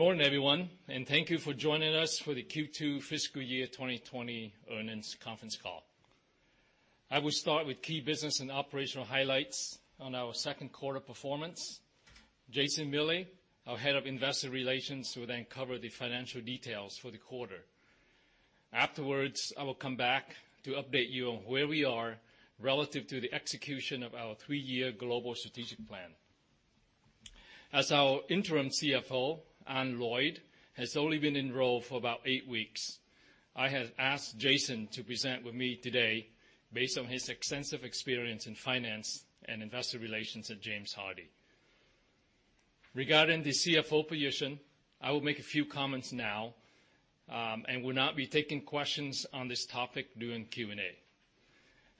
Good morning, everyone, and thank you for joining us for the Q2 Fiscal Year 2020 Earnings Conference Call. I will start with key business and operational highlights on our second quarter performance. Jason Miele, our Head of Investor Relations, will then cover the financial details for the quarter. Afterwards, I will come back to update you on where we are relative to the execution of our three-year global strategic plan. As our Interim CFO, Anne Lloyd, has only been in role for about eight weeks, I have asked Jason to present with me today based on his extensive experience in finance and investor relations at James Hardie. Regarding the CFO position, I will make a few comments now, and will not be taking questions on this topic during Q&A.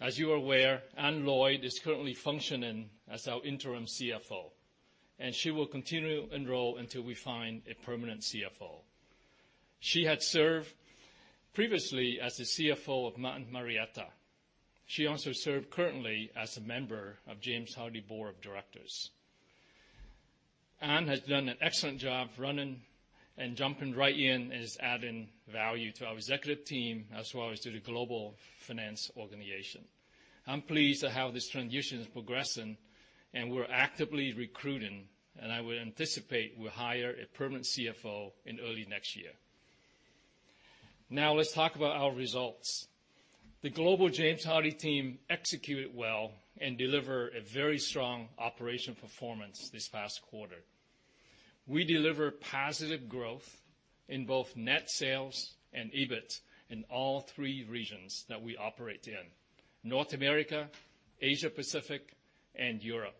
As you are aware, Anne Lloyd is currently functioning as our Interim CFO, and she will continue in role until we find a permanent CFO. She had served previously as the CFO of Martin Marietta. She also served currently as a member of James Hardie's Board of Directors. Anne has done an excellent job running and jumping right in and is adding value to our executive team, as well as to the global finance organization. I'm pleased at how this transition is progressing, and we're actively recruiting, and I would anticipate we'll hire a permanent CFO in early next year. Now, let's talk about our results. The global James Hardie team executed well and delivered a very strong operational performance this past quarter. We delivered positive growth in both net sales and EBIT in all three regions that we operate in: North America, Asia Pacific, and Europe.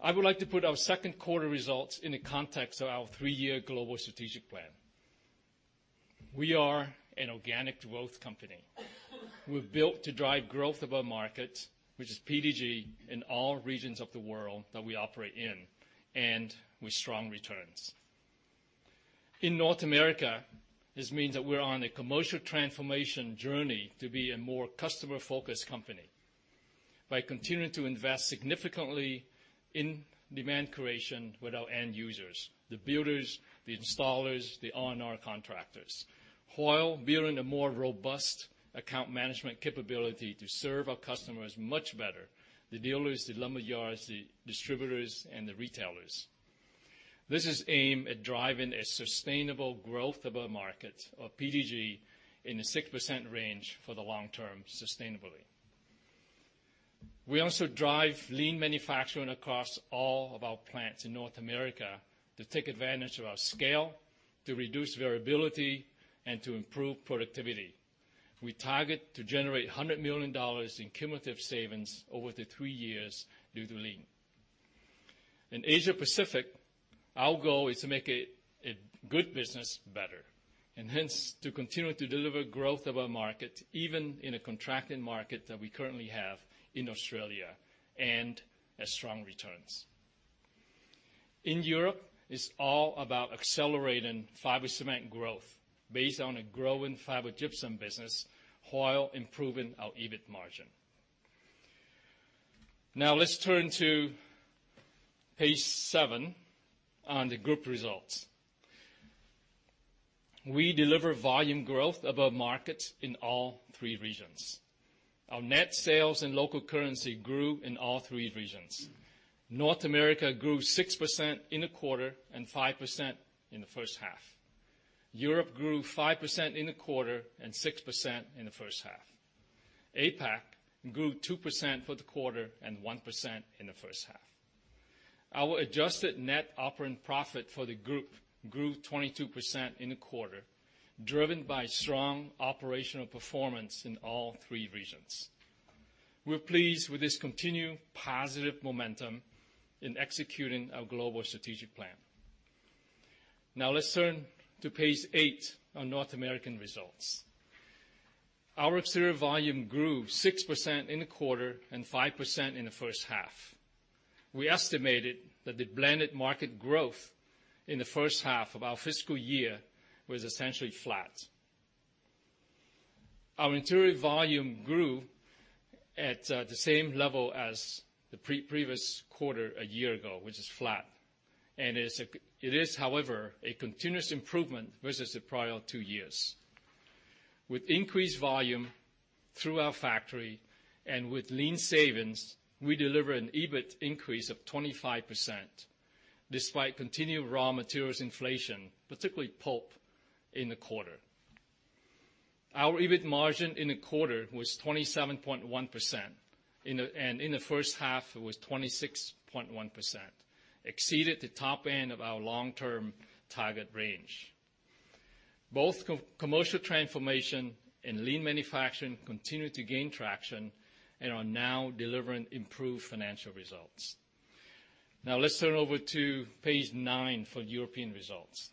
I would like to put our second quarter results in the context of our three-year global strategic plan. We are an organic growth company. We're built to drive growth above market, which is PDG, in all regions of the world that we operate in, and with strong returns. In North America, this means that we're on a commercial transformation journey to be a more customer-focused company by continuing to invest significantly in demand creation with our end users, the builders, the installers, the R&R contractors, while building a more robust account management capability to serve our customers much better, the dealers, the lumber yards, the distributors, and the retailers. This is aimed at driving a sustainable growth above market of PDG in the 6% range for the long term, sustainably. We also drive lean manufacturing across all of our plants in North America to take advantage of our scale, to reduce variability, and to improve productivity. We target to generate $100 million in cumulative savings over the three years due to lean. In Asia Pacific, our goal is to make a good business better, and hence, to continue to deliver growth of our market, even in a contracting market that we currently have in Australia, and as strong returns. In Europe, it's all about accelerating fiber cement growth based on a growing fiber gypsum business while improving our EBIT margin. Now, let's turn to page 7 on the group results. We deliver volume growth above markets in all three regions. Our net sales and local currency grew in all three regions. North America grew 6% in the quarter and 5% in the first half. Europe grew 5% in the quarter and 6% in the first half. APAC grew 2% for the quarter and 1% in the first half. Our Adjusted Net Operating Profit for the group grew 22% in the quarter, driven by strong operational performance in all three regions. We're pleased with this continued positive momentum in executing our global strategic plan. Now, let's turn to page 8 on North American results. Our exterior volume grew 6% in the quarter and 5% in the first half. We estimated that the blended market growth in the first half of our fiscal year was essentially flat. Our interior volume grew at the same level as the previous quarter a year ago, which is flat, and it is, however, a continuous improvement versus the prior two years. With increased volume through our factory and with lean savings, we deliver an EBIT increase of 25%, despite continued raw materials inflation, particularly pulp, in the quarter. Our EBIT margin in the quarter was 27.1%. In the first half, it was 26.1%, exceeded the top end of our long-term target range. Both commercial transformation and lean manufacturing continue to gain traction and are now delivering improved financial results. Now, let's turn over to page nine for European results.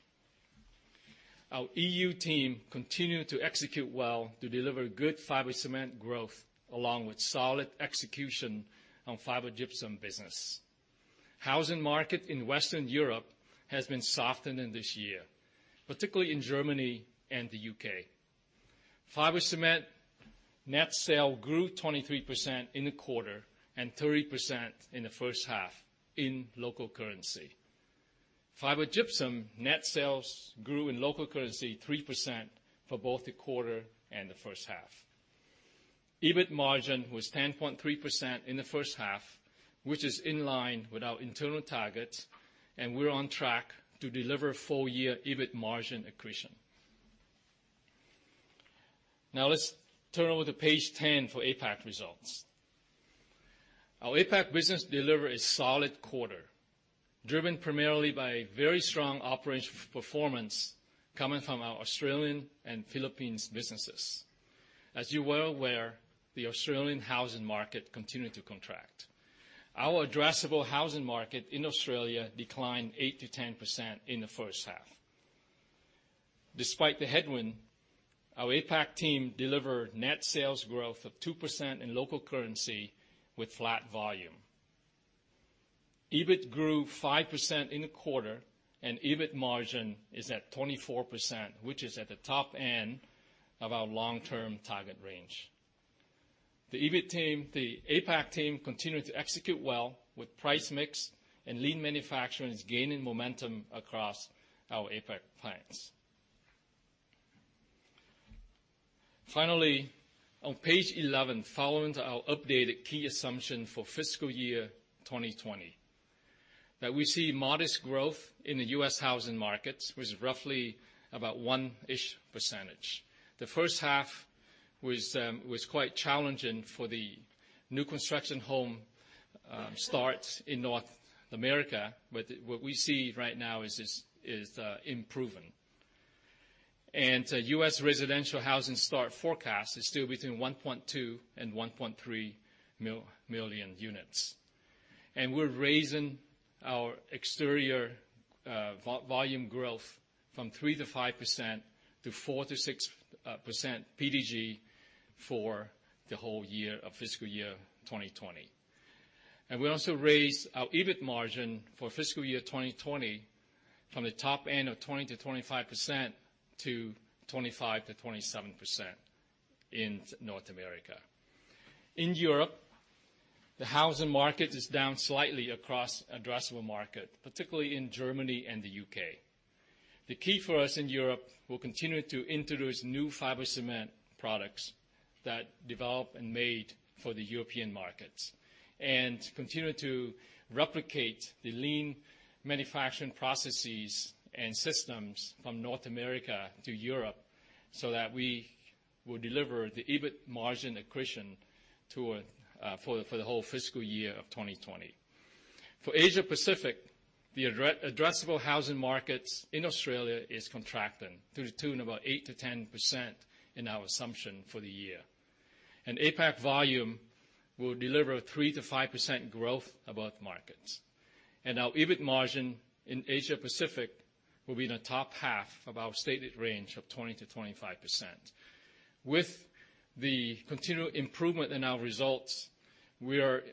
Our EU team continued to execute well to deliver good fiber cement growth, along with solid execution on fiber gypsum business. Housing market in Western Europe has been softening this year, particularly in Germany and the U.K. Fiber cement net sales grew 23% in the quarter, and 30% in the first half in local currency. Fiber gypsum net sales grew in local currency 3% for both the quarter and the first half. EBIT margin was 10.3% in the first half, which is in line with our internal targets, and we're on track to deliver full year EBIT margin accretion. Now, let's turn over to page 10 for APAC results. Our APAC business delivered a solid quarter, driven primarily by very strong operational performance coming from our Australian and Philippines businesses. As you're well aware, the Australian housing market continued to contract. Our addressable housing market in Australia declined 8%-10% in the first half. Despite the headwind, our APAC team delivered net sales growth of 2% in local currency with flat volume. EBIT grew 5% in the quarter, and EBIT margin is at 24%, which is at the top end of our long-term target range. The EBIT team, the APAC team continued to execute well with price mix, and lean manufacturing is gaining momentum across our APAC plants. Finally, on page 11, following our updated key assumption for Fiscal Year 2020, that we see modest growth in the U.S. housing markets, was roughly about 1%. The first half was quite challenging for the new construction home starts in North America, but what we see right now is improving. U.S. residential housing start forecast is still between 1.2 and 1.3 million units. And we're raising our exterior volume growth from 3%-5% to 4%-6% PDG for the whole year of fiscal year 2020. We also raised our EBIT margin for fiscal year 2020 from the top end of 20-25% to 25-27% in North America. In Europe, the housing market is down slightly across addressable market, particularly in Germany and the U.K. The key for us in Europe will continue to introduce new fiber cement products that developed and made for the European markets, and continue to replicate the lean manufacturing processes and systems from North America to Europe, so that we will deliver the EBIT margin accretion for the whole fiscal year of 2020. For Asia Pacific, the addressable housing markets in Australia is contracting to the tune of about 8-10% in our assumption for the year. APAC volume will deliver a 3-5% growth above markets. Our EBIT margin in Asia Pacific will be in the top half of our stated range of 20%-25%. With the continued improvement in our results, we are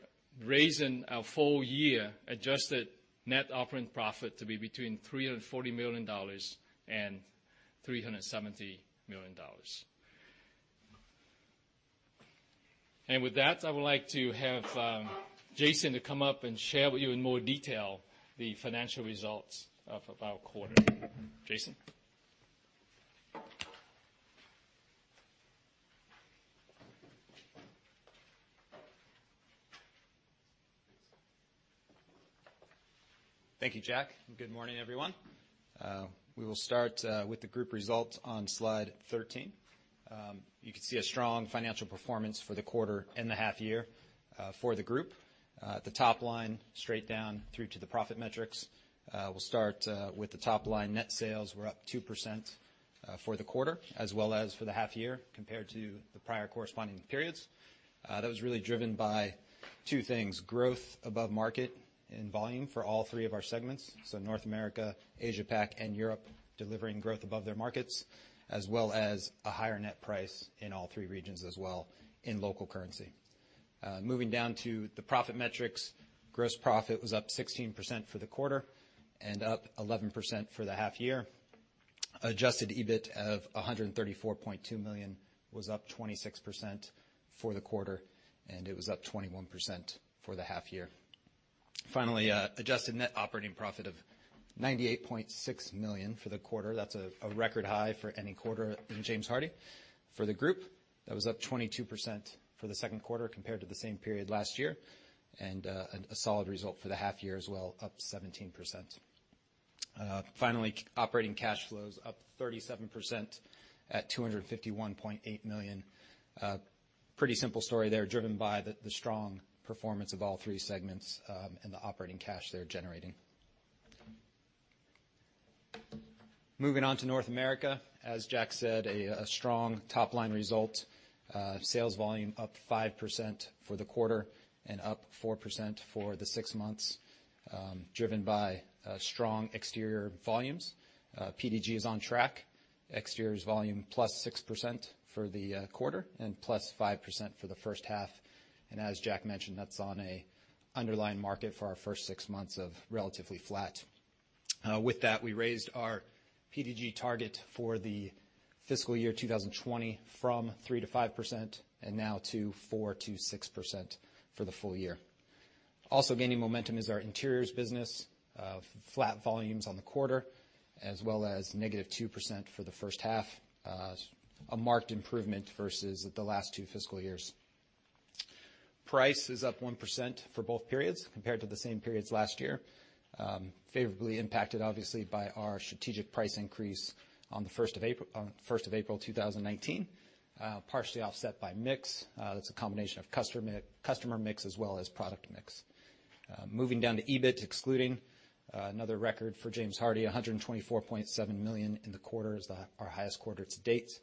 raising our full year adjusted net operating profit to be between $340 million and $370 million. With that, I would like to have Jason to come up and share with you in more detail the financial results of our quarter. Jason? Thank you, Jack, and good morning, everyone. We will start with the group results on slide 13. You can see a strong financial performance for the quarter and the half year, for the group. The top line, straight down through to the profit metrics. We'll start with the top line. Net sales were up 2%, for the quarter, as well as for the half year, compared to the prior corresponding periods. That was really driven by two things, growth above market and volume for all three of our segments, so North America, Asia Pac, and Europe, delivering growth above their markets, as well as a higher net price in all three regions as well in local currency. Moving down to the profit metrics, gross profit was up 16% for the quarter and up 11% for the half year. Adjusted EBIT of $134.2 million was up 26% for the quarter, and it was up 21% for the half year. Finally, adjusted net operating profit of $98.6 million for the quarter. That's a record high for any quarter in James Hardie. For the group, that was up 22% for the second quarter compared to the same period last year, and a solid result for the half-year as well, up 17%. Finally, operating cash flows up 37% at $251.8 million. Pretty simple story there, driven by the strong performance of all three segments, and the operating cash they're generating. Moving on to North America, as Jack said, a strong top-line result. Sales volume up 5% for the quarter and up 4% for the six months, driven by strong exterior volumes. PDG is on track. Exteriors volume +6% for the quarter and +5% for the first half. And as Jack mentioned, that's on a underlying market for our first six months of relatively flat. With that, we raised our PDG target for the fiscal year 2020 from 3% to 5%, and now to 4% to 6% for the full year. Also gaining momentum is our interiors business. Flat volumes on the quarter, as well as -2% for the first half. A marked improvement versus the last two fiscal years. Price is up 1% for both periods compared to the same periods last year, favorably impacted, obviously, by our strategic price increase on the first of April 2019, partially offset by mix. That's a combination of customer mix as well as product mix. Moving down to EBIT, excluding, another record for James Hardie, $124.7 million in the quarter, is our highest quarter to date.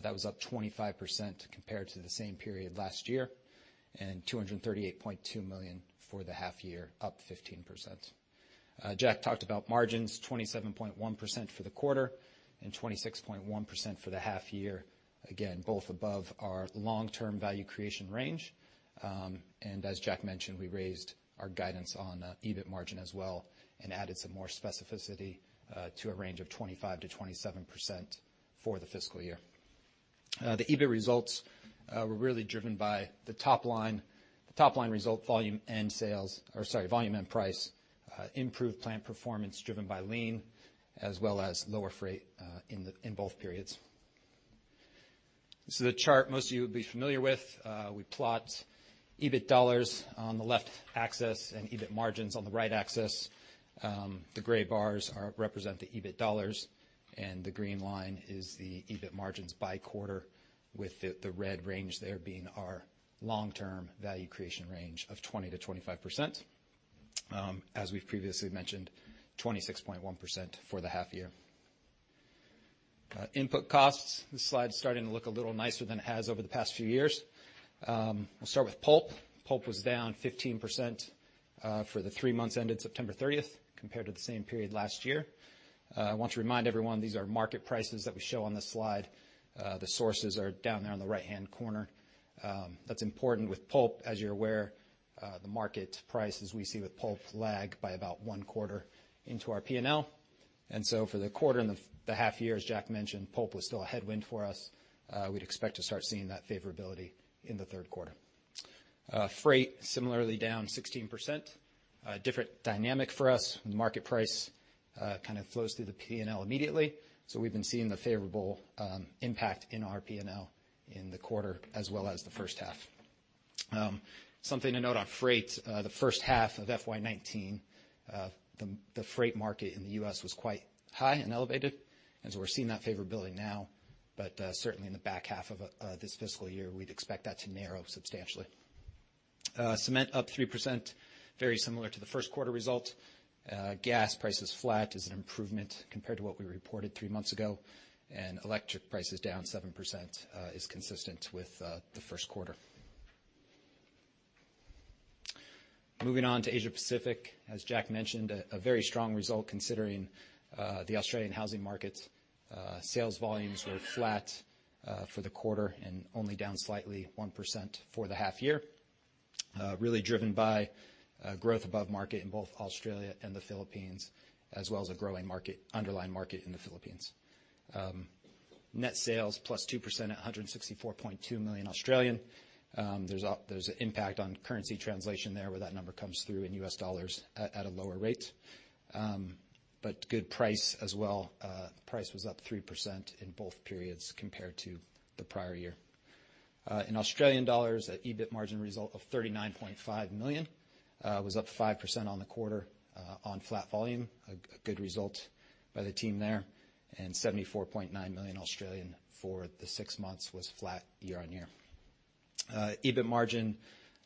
That was up 25% compared to the same period last year, and $238.2 million for the half year, up 15%. Jack talked about margins, 27.1% for the quarter and 26.1% for the half year. Again, both above our long-term value creation range. And as Jack mentioned, we raised our guidance on EBIT margin as well, and added some more specificity to a range of 25%-27% for the fiscal year. The EBIT results were really driven by the top line. The top line result, volume and sales... or sorry, volume and price, improved plant performance driven by lean, as well as lower freight in both periods. This is a chart most of you will be familiar with. We plot EBIT dollars on the left axis and EBIT margins on the right axis. The gray bars represent the EBIT dollars, and the green line is the EBIT margins by quarter, with the red range there being our long-term value creation range of 20%-25%. As we've previously mentioned, 26.1% for the half year. Input costs. This slide is starting to look a little nicer than it has over the past few years. We'll start with pulp. Pulp was down 15%, for the three months ended 13 September, compared to the same period last year. I want to remind everyone, these are market prices that we show on this slide. The sources are down there on the right-hand corner. That's important with pulp. As you're aware, the market prices we see with pulp lag by about one quarter into our P&L. And so for the quarter and the half year, as Jack mentioned, pulp was still a headwind for us. We'd expect to start seeing that favorability in the third quarter. Freight, similarly down 16%. A different dynamic for us. Market price kind of flows through the P&L immediately, so we've been seeing the favorable impact in our P&L in the quarter as well as the first half. Something to note on freight, the first half of FY 2019, the freight market in the U.S. was quite high and elevated, and so we're seeing that favorability now, but certainly in the back half of this fiscal year, we'd expect that to narrow substantially. Cement up 3%, very similar to the first quarter result. Gas prices flat is an improvement compared to what we reported three months ago, and electric prices down 7% is consistent with the first quarter. Moving on to Asia Pacific. As Jack mentioned, a very strong result considering the Australian housing market. Sales volumes were flat for the quarter and only down slightly 1% for the half year. Really driven by growth above market in both Australia and the Philippines, as well as a growing market, underlying market in the Philippines. Net sales plus 2% at 164.2 million. There's an impact on currency translation there, where that number comes through in US dollars at a lower rate. But good price as well. Price was up 3% in both periods compared to the prior year. In Australian dollars, a EBIT margin result of 39.5 million was up 5% on the quarter on flat volume. A good result by the team there, and 74.9 million for the six months was flat year on year. EBIT margin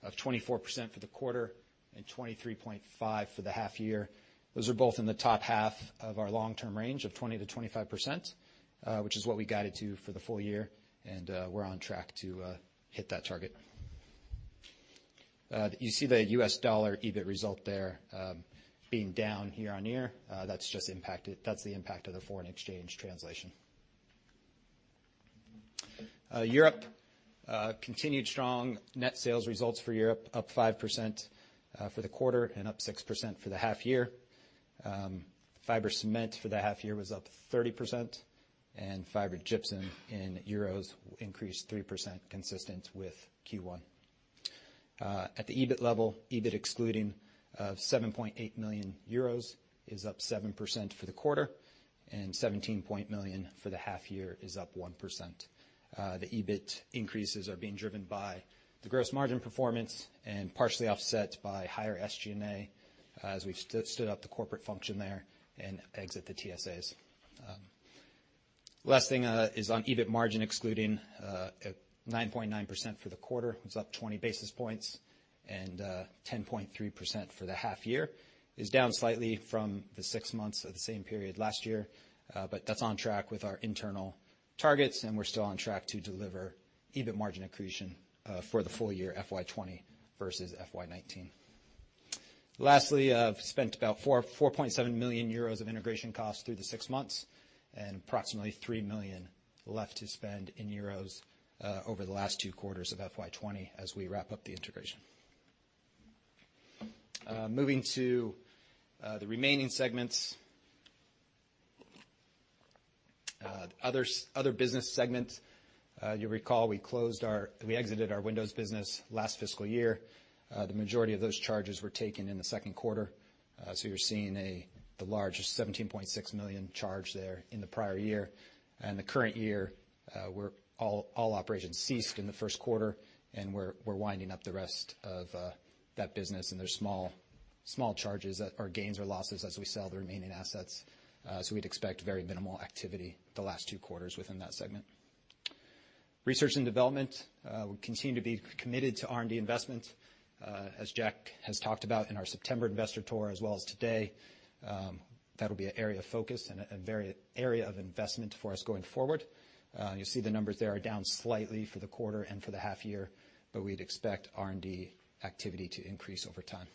of 24% for the quarter and 23.5% for the half year. Those are both in the top half of our long-term range of 20%-25%, which is what we guided to for the full year, and we're on track to hit that target. You see the U.S. dollar EBIT result there, being down year on year. That's just impacted. That's the impact of the foreign exchange translation. Europe continued strong. Net sales results for Europe up 5% for the quarter and up 6% for the half year. Fiber cement for the half year was up 30%, and fiber gypsum in EUR increased 3%, consistent with Q1. At the EBIT level, EBIT excluding 7.8 million euros is up 7% for the quarter, and 17 million for the half year is up 1%. The EBIT increases are being driven by the gross margin performance and partially offset by higher SG&A, as we've stood up the corporate function there and exit the TSAs. Last thing is on EBIT margin, excluding 9.9% for the quarter. It was up 20 basis points, and 10.3% for the half year is down slightly from the six months of the same period last year. But that's on track with our internal targets, and we're still on track to deliver EBIT margin accretion for the full year FY 2020 versus FY 2019. Lastly, I've spent about 4.7 million euros of integration costs through the six months, and approximately 3 million left to spend in euros over the last two quarters of FY 2020 as we wrap up the integration. Moving to the remaining segments. Other business segments, you'll recall we exited our Windows business last fiscal year. The majority of those charges were taken in the second quarter. So you're seeing the large $17.6 million charge there in the prior year. In the current year, all operations ceased in the first quarter, and we're winding up the rest of that business, and there's small charges or gains or losses as we sell the remaining assets. So we'd expect very minimal activity the last two quarters within that segment. Research and development, we continue to be committed to R&D investment, as Jack has talked about in our September investor tour as well as today. That'll be an area of focus and a very area of investment for us going forward. You'll see the numbers there are down slightly for the quarter and for the half year, but we'd expect R&D activity to increase over time.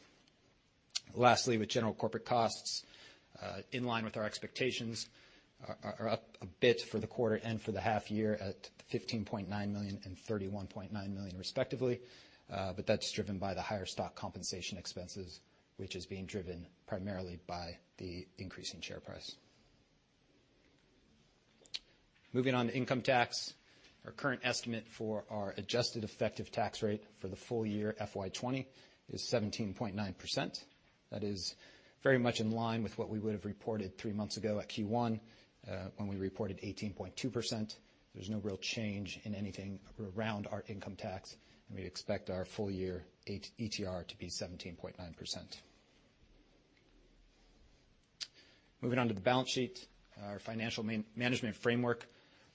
Lastly, with general corporate costs in line with our expectations, are up a bit for the quarter and for the half year at $15.9 million and $31.9 million, respectively. But that's driven by the higher stock compensation expenses, which is being driven primarily by the increasing share price. Moving on to income tax. Our current estimate for our adjusted effective tax rate for the full year FY 2020 is 17.9%. That is very much in line with what we would have reported three months ago at Q1, when we reported 18.2%. There's no real change in anything around our income tax, and we'd expect our full-year H-ETR to be 17.9%. Moving on to the balance sheet. Our financial management framework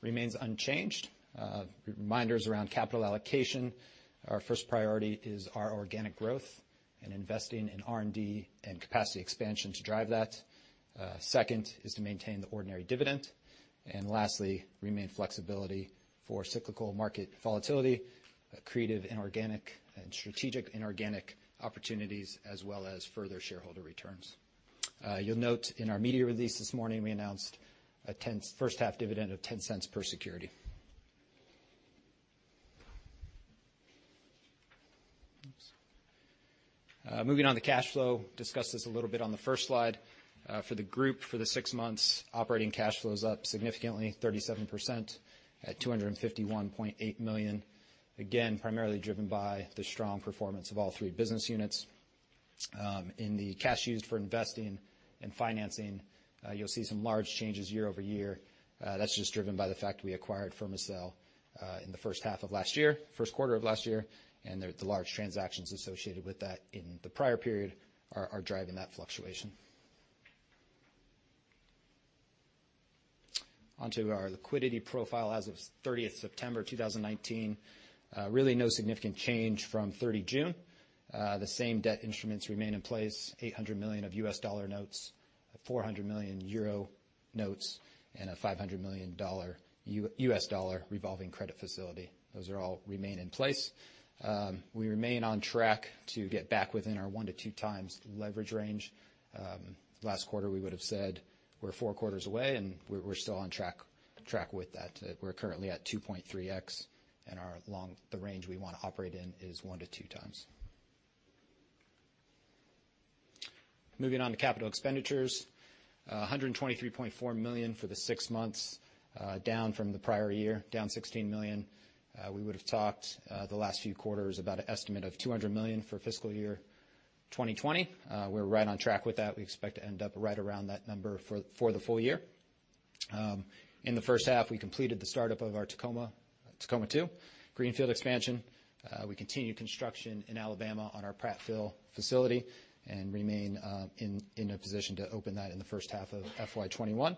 remains unchanged. Reminders around capital allocation. Our first priority is our organic growth and investing in R&D and capacity expansion to drive that. Second is to maintain the ordinary dividend, and lastly, remain flexibility for cyclical market volatility, creative inorganic and strategic inorganic opportunities, as well as further shareholder returns. You'll note in our media release this morning, we announced a 10 cent first half dividend of $0.10 per security. Moving on to cash flow. Discussed this a little bit on the first slide. For the group, for the six months, operating cash flow is up significantly, 37%, at $251.8 million. Again, primarily driven by the strong performance of all three business units. In the cash used for investing and financing, you'll see some large changes year-over-year. That's just driven by the fact we acquired Fermacell in the first half of last year, first quarter of last year, and the large transactions associated with that in the prior period are driving that fluctuation. On to our liquidity profile as of 30 September 2019. Really no significant change from 30 June. The same debt instruments remain in place, $800 million of U.S. dollar notes, 400 million euro notes, and a $500 million U.S. dollar revolving credit facility. Those are all remain in place. We remain on track to get back within our one to two times leverage range. Last quarter, we would have said we're four quarters away, and we're still on track with that. We're currently at 2.3x, and our long-term range we want to operate in is one to two times. Moving on to capital expenditures. $123.4 million for the six months, down from the prior year, down $16 million. We would have talked the last few quarters about an estimate of $200 million for fiscal year 2020. We're right on track with that. We expect to end up right around that number for the full year. In the first half, we completed the start-up of our Tacoma 2 greenfield expansion. We continue construction in Alabama on our Prattville facility and remain in a position to open that in the first half of FY 2021,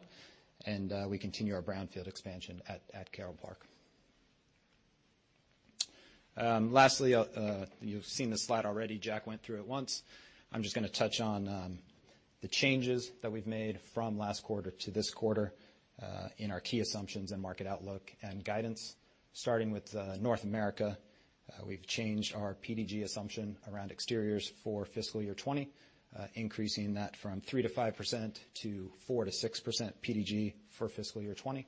and we continue our brownfield expansion at Carole Park. Lastly, you've seen this slide already. Jack went through it once. I'm just gonna touch on the changes that we've made from last quarter to this quarter in our key assumptions and market outlook and guidance. Starting with North America, we've changed our PDG assumption around exteriors for fiscal year 2020, increasing that from 3%-5% to 4%-6% PDG for fiscal year 2020.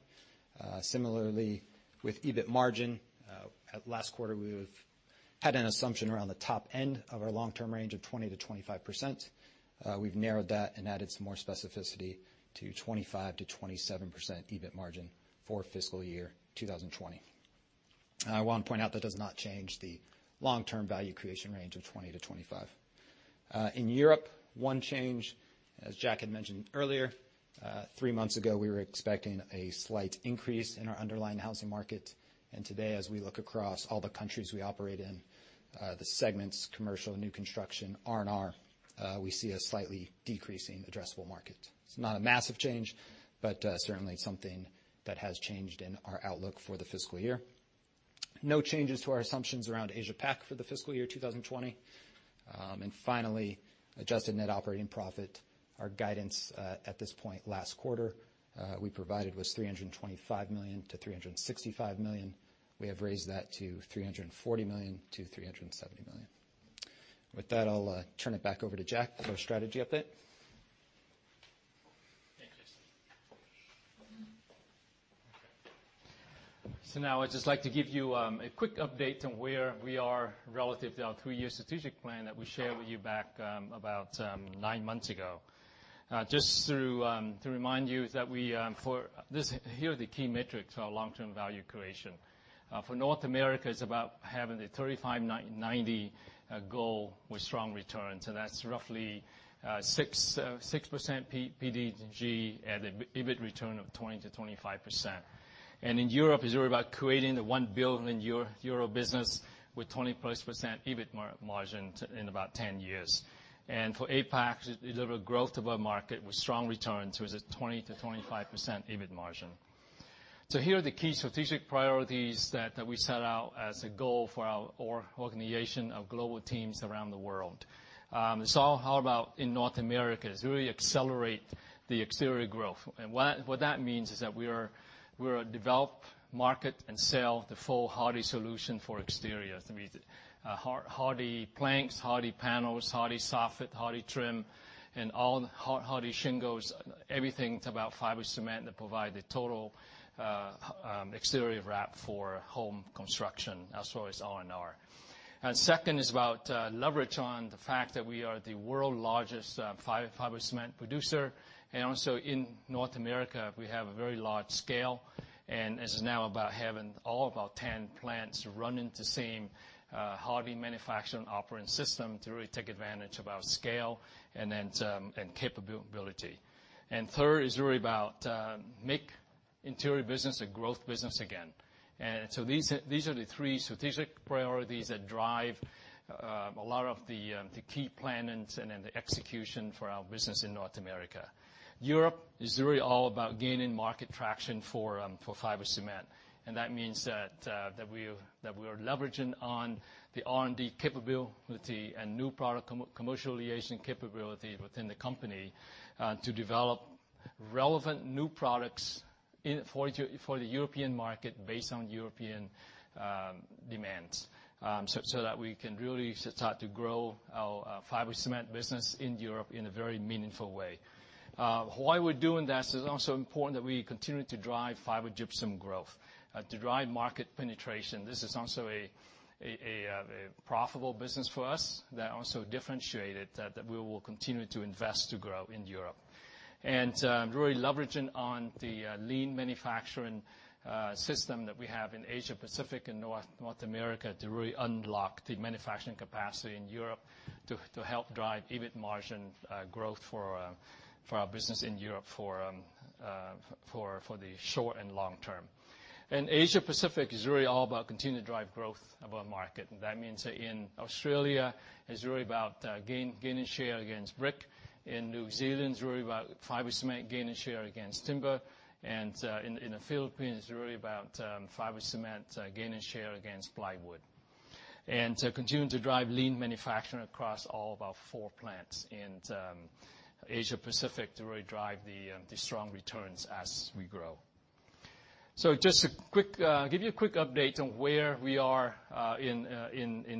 Similarly, with EBIT margin, at last quarter, we've had an assumption around the top end of our long-term range of 20%-25%. We've narrowed that and added some more specificity to 25%-27% EBIT margin for fiscal year 2020. I want to point out that does not change the long-term value creation range of 20%-25%. In Europe, one change, as Jack had mentioned earlier, three months ago, we were expecting a slight increase in our underlying housing market. And today, as we look across all the countries we operate in, the segments, commercial, new construction, R&R, we see a slightly decreasing addressable market. It's not a massive change, but certainly something that has changed in our outlook for the fiscal year. No changes to our assumptions around Asia Pac for the fiscal year 2020. And finally, Adjusted Net Operating Profit. Our guidance, at this point last quarter, we provided was $325 million-$365 million. We have raised that to $340 million-$370 million. With that, I'll turn it back over to Jack for our strategy update. So now I'd just like to give you a quick update on where we are relative to our three-year strategic plan that we shared with you back about nine months ago. Just through to remind you that we for this-- here are the key metrics for our long-term value creation. For North America, it's about having the 35/90 goal with strong returns, and that's roughly 6% PDG and an EBITDA return of 20-25%. And in Europe, it's really about creating the €1 billion euro business with 20+% EBITDA margin in about ten years. And for APAC, it deliver growth above market with strong returns, which is a 20-25% EBITDA margin. Here are the key strategic priorities that we set out as a goal for our organization of global teams around the world. How about in North America, it's really accelerate the exterior growth. What that means is that we are develop, market, and sell the full Hardie solution for exteriors. I mean, HardiePlank, HardiePanel, HardieSoffit, HardieTrim, and all HardieShingle, everything about fiber cement that provide the total exterior wrap for home construction, as well as R&R. And second is about leverage on the fact that we are the world's largest fiber cement producer, and also in North America, we have a very large scale, and this is now about having all of our 10 plants running the same Hardie Manufacturing Operating System to really take advantage of our scale and then to, and capability. And third is really about make interior business a growth business again. And so these, these are the three strategic priorities that drive a lot of the the key planning and then the execution for our business in North America. Europe is really all about gaining market traction for fiber cement, and that means that we are leveraging on the R&D capability and new product commercialization capability within the company to develop relevant new products in for the European market based on European demands. So that we can really start to grow our fiber cement business in Europe in a very meaningful way. While we're doing that, it's also important that we continue to drive fiber gypsum growth. To drive market penetration, this is also a profitable business for us that also differentiated that we will continue to invest to grow in Europe. And, really leveraging on the lean manufacturing system that we have in Asia Pacific and North America to really unlock the manufacturing capacity in Europe to help drive EBITDA margin growth for our business in Europe for the short and long term. Asia Pacific is really all about continuing to drive growth above market, and that means that in Australia, it's really about gaining share against brick. In New Zealand, it's really about fiber cement gaining share against timber. And in the Philippines, it's really about fiber cement gaining share against plywood. And to continue to drive lean manufacturing across all of our four plants in Asia Pacific to really drive the strong returns as we grow. So just a quick give you a quick update on where we are in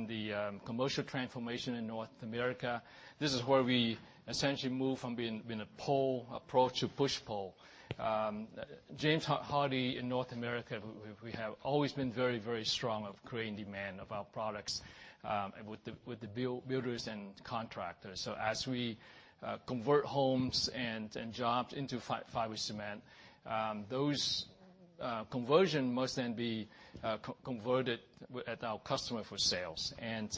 the commercial transformation in North America. This is where we essentially move from being a pull approach to push-pull. James Hardie in North America, we have always been very, very strong of creating demand of our products with the builders and contractors. So as we convert homes and jobs into fiber cement, those conversion must then be converted with at our customer for sales. And,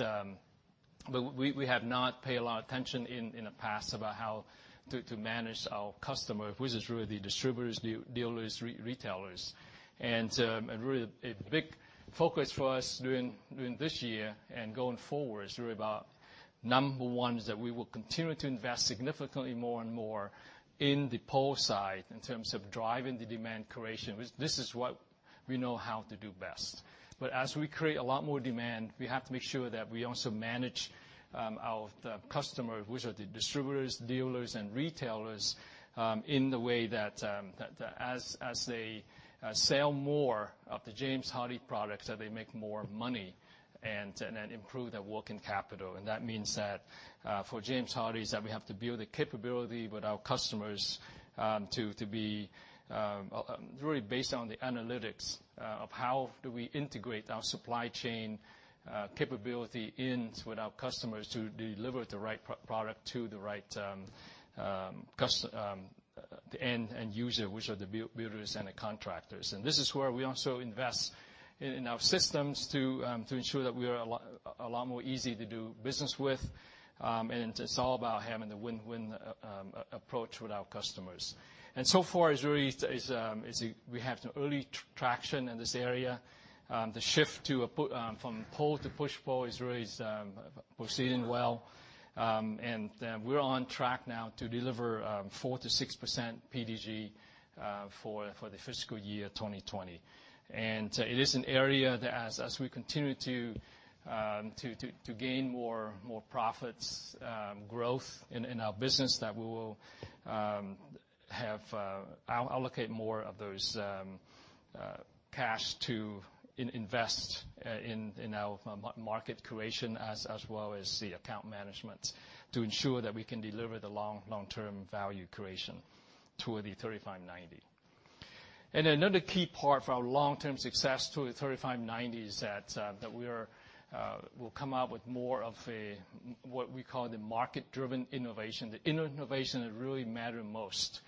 but we have not paid a lot of attention in the past about how to manage our customer, which is really the distributors, dealers, retailers. And really, a big focus for us during this year and going forward is really about number one, is that we will continue to invest significantly more and more in the pull side in terms of driving the demand creation. This is what we know how to do best. But as we create a lot more demand, we have to make sure that we also manage our customers, which are the distributors, dealers, and retailers in the way that as they sell more of the James Hardie products, that they make more money and improve their working capital. And that means that for James Hardie is that we have to build the capability with our customers to be. Really based on the analytics of how do we integrate our supply chain capability in with our customers to deliver the right product to the right the end user, which are the builders and the contractors. This is where we also invest in our systems to ensure that we are a lot more easy to do business with. And it's all about having the win-win approach with our customers. So far, we have some early traction in this area. The shift from pull to push-pull is really proceeding well. And we're on track now to deliver 4-6% PDG for the fiscal year 2020. And it is an area that as we continue to gain more profit growth in our business, that we will allocate more of those cash to invest in our market creation, as well as the account management to ensure that we can deliver the long-term value creation toward the 39. And another key part for our long-term success to the 35/90 is that we will come out with more of a, what we call the market-driven innovation. The inner innovation that really matter most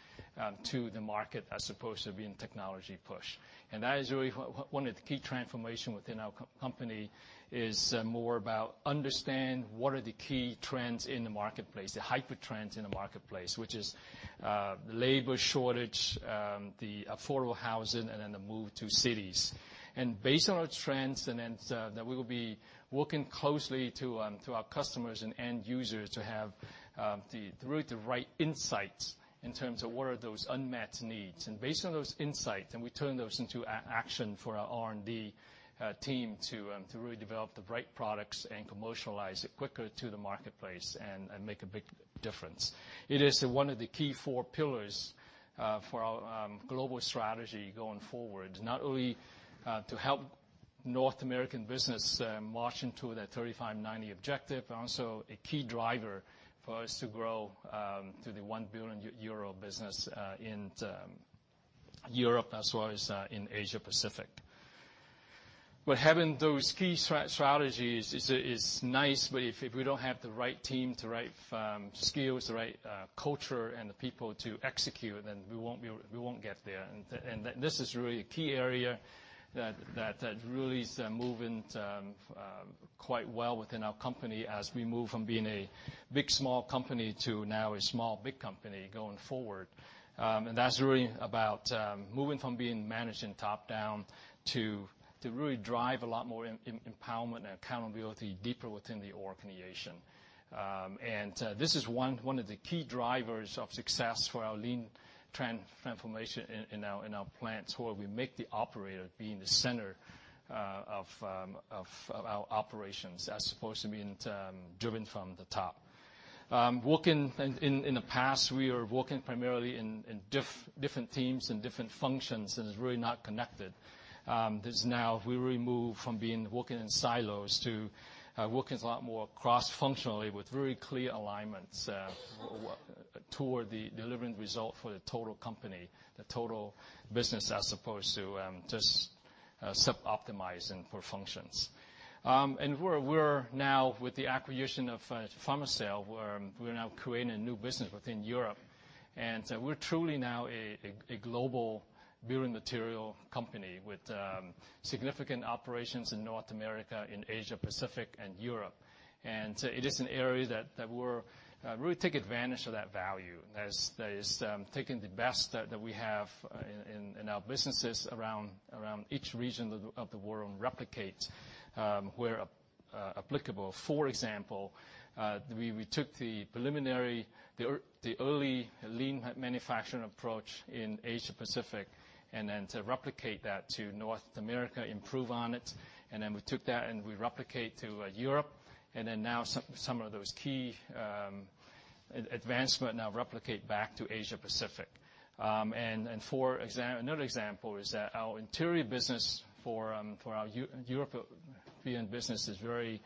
to the market, as opposed to being technology push. And that is really one of the key transformation within our company. It is more about understand what are the key trends in the marketplace, the hyper trends in the marketplace, which is labor shortage, the affordable housing, and then the move to cities. And based on our trends, and then that we will be working closely to our customers and end users to have really the right insights in terms of what are those unmet needs. And based on those insights, and we turn those into action for our R&D team to really develop the right products and commercialize it quicker to the marketplace and make a big difference. It is one of the key four pillars for our global strategy going forward. Not only to help North American business march into the 35/90 objective, but also a key driver for us to grow to the 1 billion euro business in Europe, as well as in Asia Pacific. But having those key strategies is nice, but if we don't have the right team, the right skills, the right culture, and the people to execute, then we won't. We won't get there. And this is really a key area that really is moving quite well within our company as we move from being a big, small company to now a small, big company going forward. And that's really about moving from being managed and top down to really drive a lot more empowerment and accountability deeper within the organization. This is one of the key drivers of success for our lean transformation in our plants, where we make the operator be in the center of our operations, as opposed to being driven from the top. In the past, we were working primarily in different teams and different functions, and it's really not connected. This now, we really move from being working in silos to working a lot more cross-functionally with very clear alignments toward delivering result for the total company, the total business, as opposed to just sub-optimizing for functions. And we're now, with the acquisition of Fermacell, creating a new business within Europe. We're truly now a global building material company with significant operations in North America, in Asia Pacific and Europe. It is an area that we're really take advantage of that value, as that is taking the best that we have in our businesses around each region of the world and replicate where applicable. For example, we took the preliminary, the early lean manufacturing approach in Asia Pacific, and then to replicate that to North America, improve on it, and then we took that, and we replicate to Europe, and then now some of those key advancement now replicate back to Asia Pacific. Another example is that our interior business for our European business is very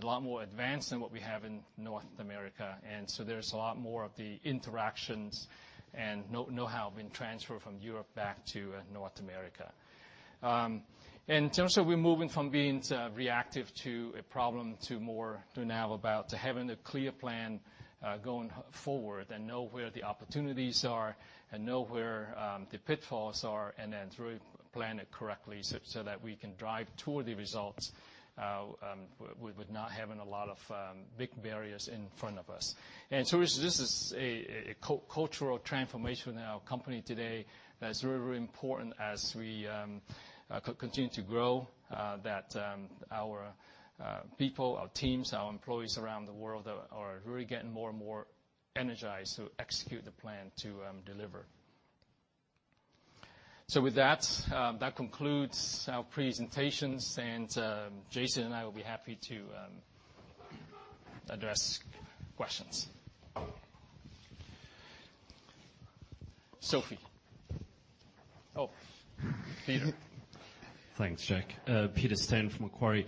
a lot more advanced than what we have in North America, and so there's a lot more of the interactions and know-how been transferred from Europe back to North America. In terms of we're moving from being reactive to a problem to more now about having a clear plan going forward and know where the opportunities are, and know where the pitfalls are, and then really plan it correctly so that we can drive toward the results with not having a lot of big barriers in front of us. And so this is a cultural transformation in our company today that is really, really important as we continue to grow, that our people, our teams, our employees around the world are really getting more and more energized to execute the plan to deliver. So with that, that concludes our presentations, and Jason and I will be happy to address questions. Sophie? Oh, Peter. Thanks, Jack. Peter Steyn from Macquarie.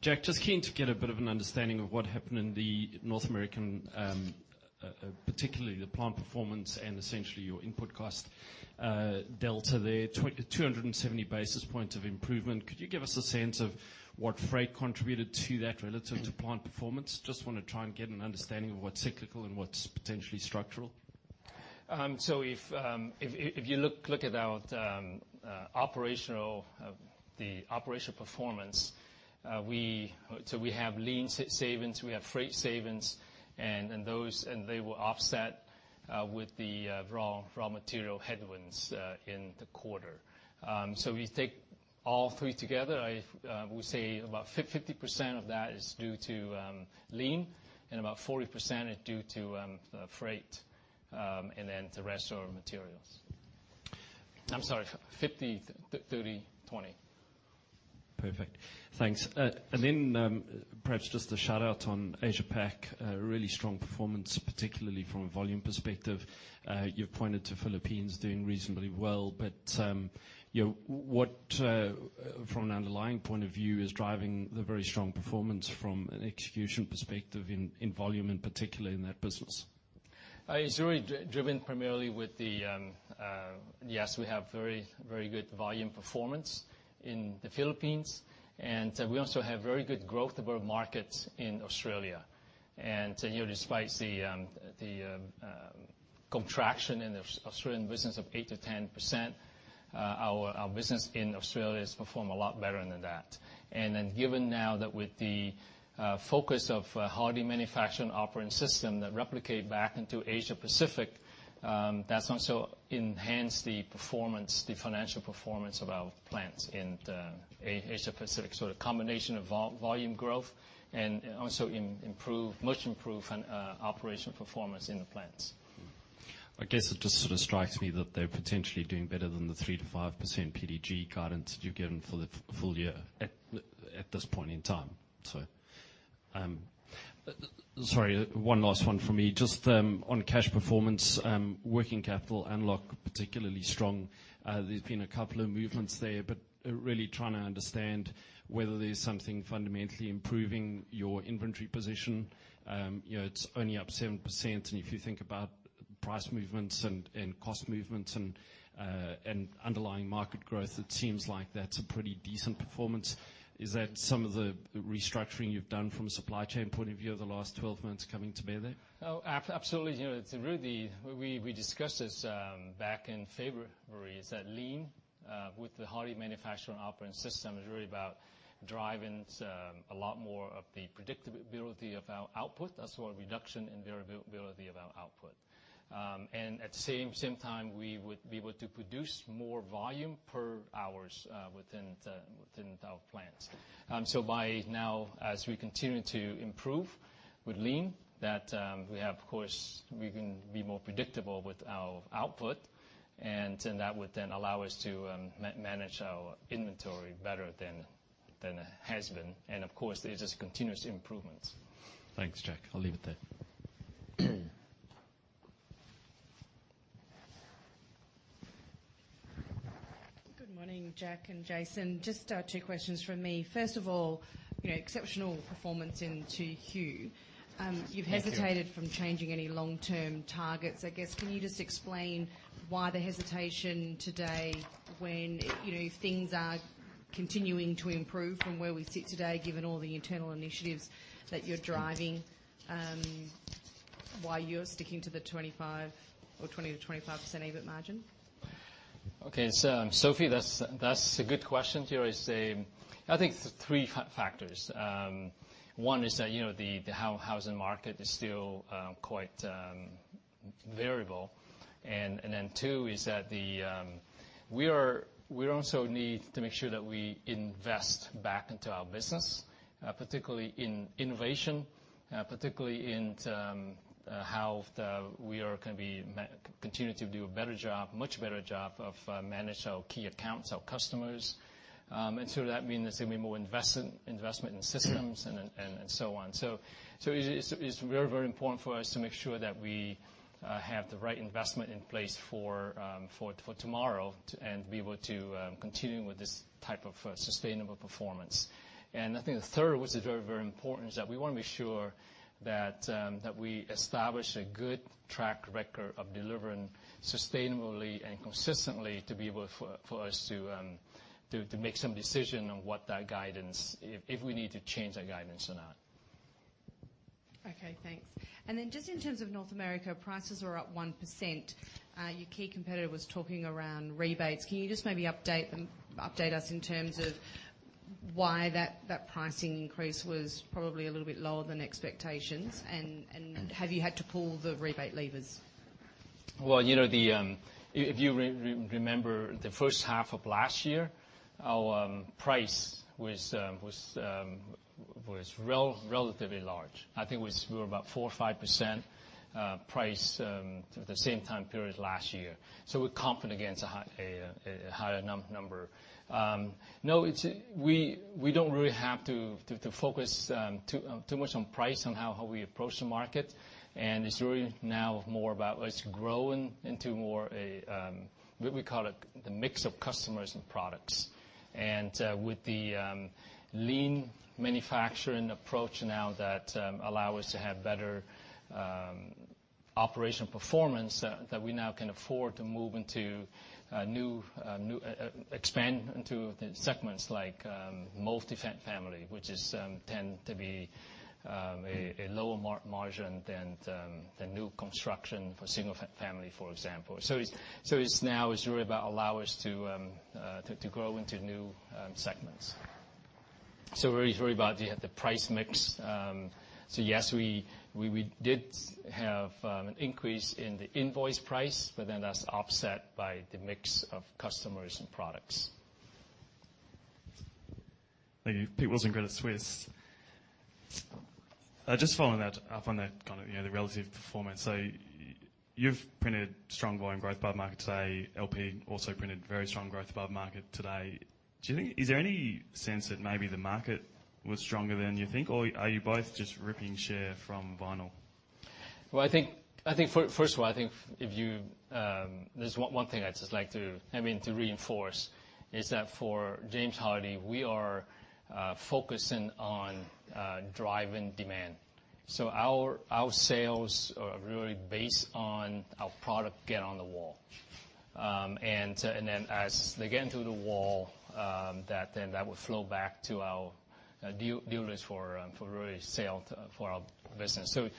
Jack, just keen to get a bit of an understanding of what happened in the North American, particularly the plant performance and essentially your input cost, delta there, 270 basis points of improvement. Could you give us a sense of what freight contributed to that relative to plant performance? Just want to try and get an understanding of what's cyclical and what's potentially structural. If you look at our operational performance, we have lean savings, we have freight savings, and those were offset with the raw material headwinds in the quarter. We take all three together. I would say about 50% of that is due to lean, and about 40% is due to freight, and then the rest are materials. I'm sorry, 50%, 30%, 20%. Perfect. Thanks. And then, perhaps just a shout out on Asia Pac, a really strong performance, particularly from a volume perspective. You've pointed to Philippines doing reasonably well, but, you know, what, from an underlying point of view, is driving the very strong performance from an execution perspective in volume, and particularly in that business? It's really driven primarily with the... Yes, we have very, very good volume performance in the Philippines, and we also have very good growth of our markets in Australia. And, you know, despite the contraction in the Australian business of 8%-10%, our business in Australia has performed a lot better than that. And then, given now that with the focus of Hardie Manufacturing Operating System, that replicate back into Asia Pacific, that's also enhanced the performance, the financial performance of our plants in the Asia Pacific. So a combination of volume growth and also improved, much improved, operational performance in the plants. I guess it just sort of strikes me that they're potentially doing better than the 3-5% PDG guidance you've given for the full year at this point in time. So, sorry, one last one from me. Just on cash performance, working capital unlock, particularly strong. There's been a couple of movements there, but really trying to understand whether there's something fundamentally improving your inventory position. You know, it's only up 7%, and if you think about price movements and cost movements and underlying market growth, it seems like that's a pretty decent performance. Is that some of the restructuring you've done from a supply chain point of view over the last twelve months coming to bear there? Oh, absolutely. You know, it's really, we discussed this back in February, is that lean with the Hardie Manufacturing Operating System, is really about driving a lot more of the predictability of our output, as well as reduction in variability of our output. And at the same time, we would be able to produce more volume per hours within our plants. So by now, as we continue to improve with lean, that we have, of course, we can be more predictable with our output, and then that would allow us to manage our inventory better than it has been. And of course, there is just continuous improvements. Thanks, Jack. I'll leave it there. Good morning, Jack and Jason. Just, two questions from me. First of all, you know, exceptional performance in Q2. Thank you. You've hesitated from changing any long-term targets. I guess, can you just explain why the hesitation today, when, you know, things are continuing to improve from where we sit today, given all the internal initiatives that you're driving, why you're sticking to the 25% or 20%-25% EBIT margin? Okay, so, Sophie, that's a good question. I say, I think it's three factors. One is that, you know, the housing market is still quite variable. And then two is that we also need to make sure that we invest back into our business, particularly in innovation, particularly in terms of how we are going to continue to do a better job, much better job of managing our key accounts, our customers. And so that means there's going to be more investment in systems and so on. So it's very, very important for us to make sure that we have the right investment in place for tomorrow, and be able to continue with this type of sustainable performance. And I think the third, which is very, very important, is that we want to make sure that we establish a good track record of delivering sustainably and consistently to be able for us to make some decision on what that guidance, if we need to change that guidance or not. Okay, thanks. And then just in terms of North America, prices are up 1%. Your key competitor was talking around rebates. Can you just maybe update them, update us in terms of why that pricing increase was probably a little bit lower than expectations? And have you had to pull the rebate levers? Well, you know, if you remember the first half of last year, our price was relatively large. I think we were about 4 or 5% price the same time period last year. So we're confident against a higher number. No, it's we don't really have to focus too much on price on how we approach the market. And it's really now more about what's growing into more a what we call a the mix of customers and products. With the lean manufacturing approach now that allow us to have better operational performance, that we now can afford to move into a new expand into segments like multi-family, which tend to be a lower margin than the new construction for single family, for example. So it's now, it's really about allow us to to grow into new segments. So we're very about the price mix. So yes, we did have an increase in the invoice price, but then that's offset by the mix of customers and products. Thank you. Pete Wilson, Credit Suisse. Just following that up on that, kind of, you know, the relative performance. So you've printed strong volume growth above market today. LP also printed very strong growth above market today. Do you think? Is there any sense that maybe the market was stronger than you think? Or are you both just ripping share from vinyl? I think first of all, there's one thing I'd just like to, I mean, to reinforce, is that for James Hardie, we are focusing on driving demand. So our sales are really based on our product getting on the wall. And then as they get on the wall, that will flow back to our dealers for replenishment sales for our business. So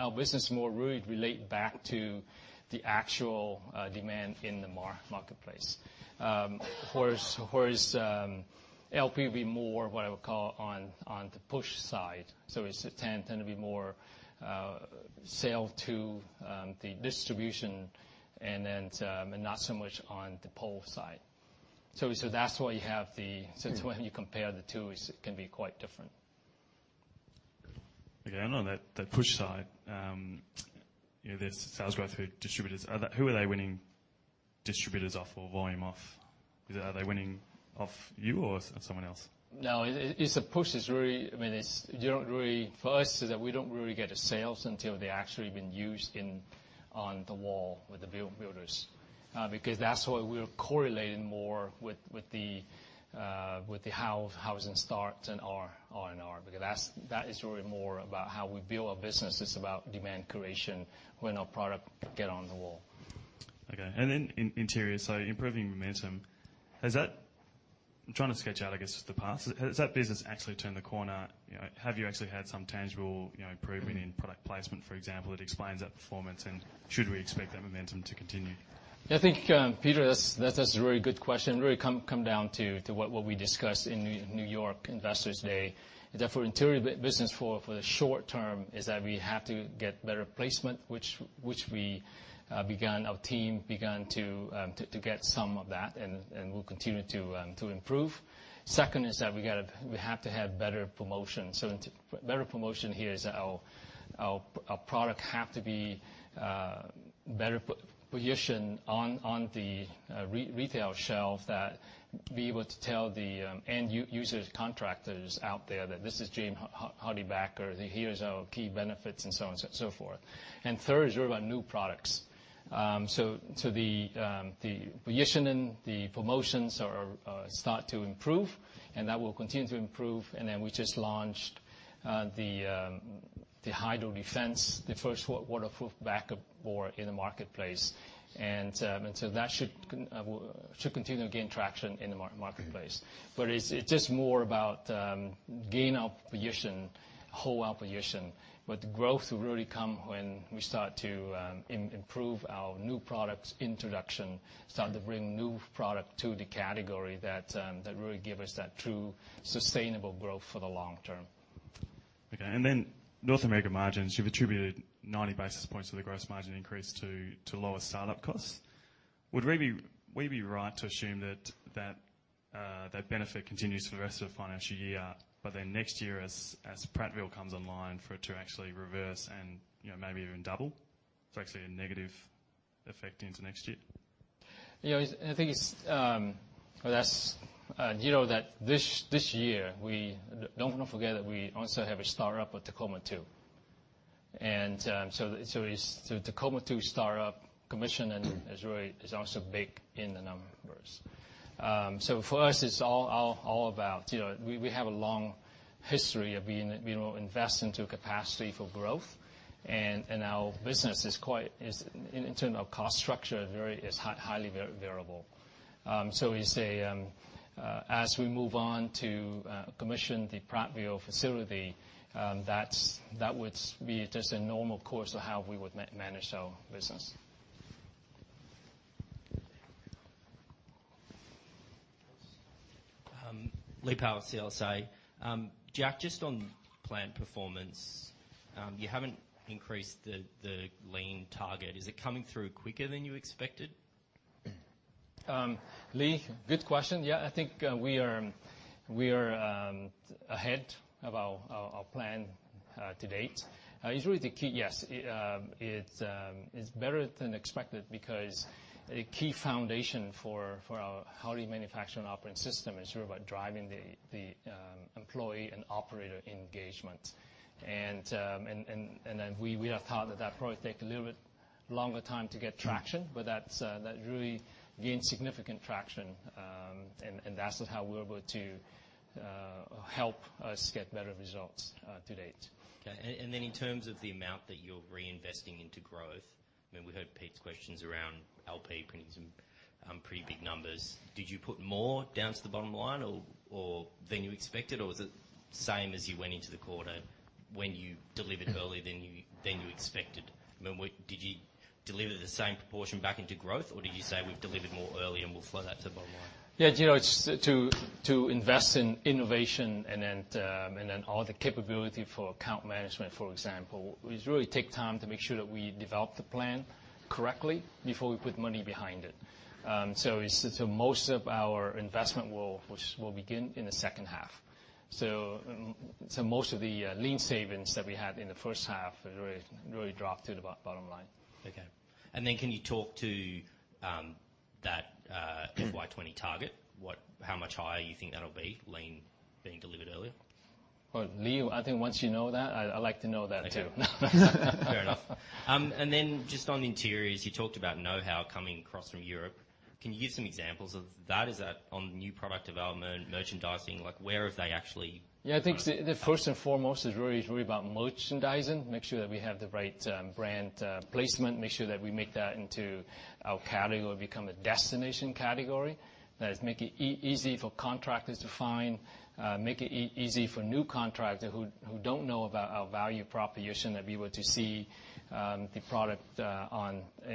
our business really relates back to the actual demand in the marketplace. Whereas LP will be more what I would call on the push side. So it tends to be more sales to distribution and then but not so much on the pull side. So that's why you have the, so it's when you compare the two. It can be quite different. Again, on that, that push side, you know, there's sales growth through distributors. Are they- who are they winning distributors off or volume off? Are they winning off you or, or someone else? No, it's a push is really. I mean, it's don't really for us, is that we don't really get sales until they actually been used in, on the wall with the builders. Because that's why we're correlating more with, with the, with the housing starts and R, R&R. Because that's, that is really more about how we build our business. It's about demand creation when our product get on the wall. Okay. And then in Interior, so improving momentum. Has that... I'm trying to sketch out, I guess, the path. Has that business actually turned the corner? You know, have you actually had some tangible, you know, improvement in product placement, for example, that explains that performance? And should we expect that momentum to continue? Yeah, I think, Peter, that is a very good question. Really comes down to what we discussed in New York Investors Day. Therefore, Interior business for the short term is that we have to get better placement, which we began, our team began to get some of that, and we'll continue to improve. Second, is that we gotta have better promotion. So better promotion here is our product have to be better positioned on the retail shelf, to be able to tell the end users, contractors out there, that this is James HardieBacker, here's our key benefits, and so on and so forth. And third, is really about new products. The positioning, the promotions are starting to improve, and that will continue to improve. Then we just launched the HydroDefense, the first waterproof backer board in the marketplace. And so that should continue to gain traction in the marketplace. But it's just more about gaining our position, holding our position. Growth will really come when we start to improve our new products introduction, start to bring new product to the category that really give us that true sustainable growth for the long term. Okay, and then North America margins, you've attributed ninety basis points to the gross margin increase to lower start-up costs. Would we be right to assume that that benefit continues for the rest of the financial year, but then next year, as Prattville comes online, for it to actually reverse and, you know, maybe even double? It's actually a negative effect into next year. You know, it's. I think it's. Well, that's. You know that this year, we. Don't forget that we also have a start up with Tacoma, too. And, so it's, so Tacoma 2 start up commission and is really, is also big in the numbers. So for us, it's all about, you know, we have a long history of being, you know, invest into capacity for growth. And our business is quite, is in terms of cost structure, very, is highly variable. So we say, as we move on to commission the Prattville facility, that's, that would be just a normal course of how we would manage our business. Lee Power, CLSA. Jack, just on plant performance, you haven't increased the lean target. Is it coming through quicker than you expected? Lee, good question. Yeah, I think we are ahead of our plan to date. It's really the key. Yes, it's better than expected, because a key foundation for our Hardie Manufacturing Operating System is really about driving the employee and operator engagement. And then we have thought that that probably take a little bit longer time to get traction, but that's really gained significant traction. And that's how we're able to help us get better results to date. Okay. And then in terms of the amount that you're reinvesting into growth, I mean, we heard Pete's questions around LP printing some pretty big numbers. Did you put more down to the bottom line or than you expected, or was it same as you went into the quarter when you delivered earlier than you expected? I mean, did you deliver the same proportion back into growth, or did you say, "We've delivered more early, and we'll flow that to the bottom line? Yeah, you know, it's to invest in innovation and then all the capability for account management, for example, is really take time to make sure that we develop the plan correctly before we put money behind it, so most of our investment will, which will begin in the second half, so most of the lean savings that we had in the first half really dropped to the bottom line. Okay. And then can you talk to that FY 2020 target? What - how much higher you think that'll be, lean being delivered earlier? Well, Lee, I think once you know that, I, I'd like to know that, too. I do. Fair enough. And then just on interiors, you talked about know-how coming across from Europe. Can you give some examples of that? Is that on new product development, merchandising? Like, where have they actually- Yeah, I think the first and foremost is really about merchandising. Make sure that we have the right brand placement, make sure that we make that into our category or become a destination category. That is, make it easy for contractors to find, make it easy for new contractors who don't know about our value proposition, to be able to see the product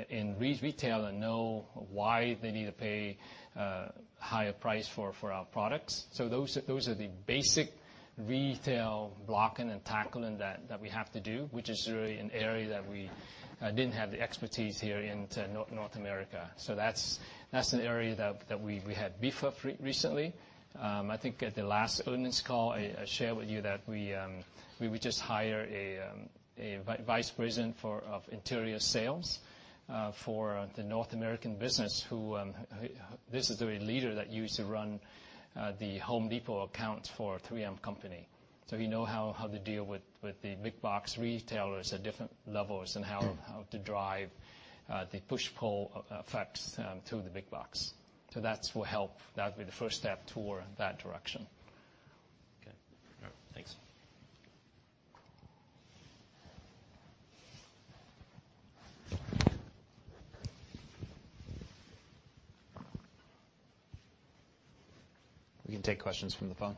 in retail and know why they need to pay higher price for our products. So those are the basic retail blocking and tackling that we have to do, which is really an area that we didn't have the expertise here in North America. So that's an area that we had beef up recently. I think at the last earnings call, I shared with you that we just hire a vice president of interior sales for the North American business who this is a leader that used to run the Home Depot accounts for 3M Company. So he know how to deal with the big box retailers at different levels and how to drive the push-pull effects through the big box. So that's will help. That'll be the first step toward that direction. Okay. All right, thanks. We can take questions from the phone.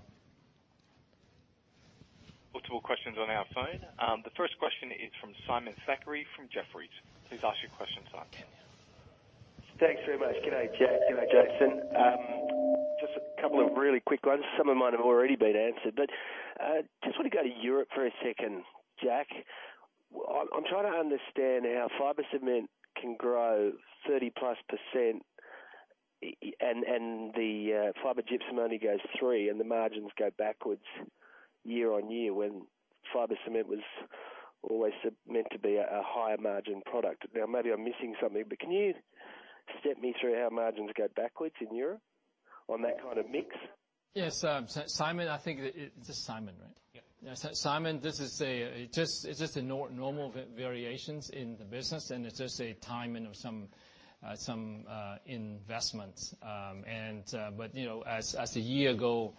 Multiple questions on our phone. The first question is from Simon Thackray from Jefferies. Please ask your question, Simon. Thanks very much. Good day, Jack. Good day, Jason. Just a couple of really quick ones. Some of them might have already been answered, but just want to go to Europe for a second. Jack, I'm trying to understand how fiber cement can grow 30% plus, and the fiber gypsum only goes 3%, and the margins go backwards year-on-year, when fiber cement was always meant to be a higher margin product. Now, maybe I'm missing something, but can you step me through how margins go backwards in Europe on that kind of mix? Yes. Simon, I think... It's Simon, right? Yeah. Simon, this is, it's just, it's just the normal variations in the business, and it's just a timing of some investments. And, but, you know, as the year goes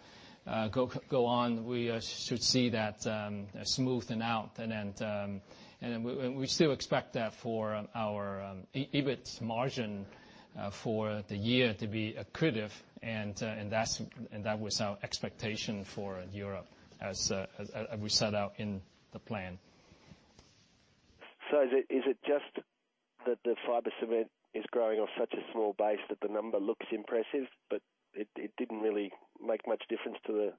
on, we should see that smoothen out. And then, and we still expect that for our EBITDA margin for the year to be accretive, and, and that's, and that was our expectation for Europe as we set out in the plan. So is it just that the fiber cement is growing off such a small base that the number looks impressive, but it didn't really make much difference to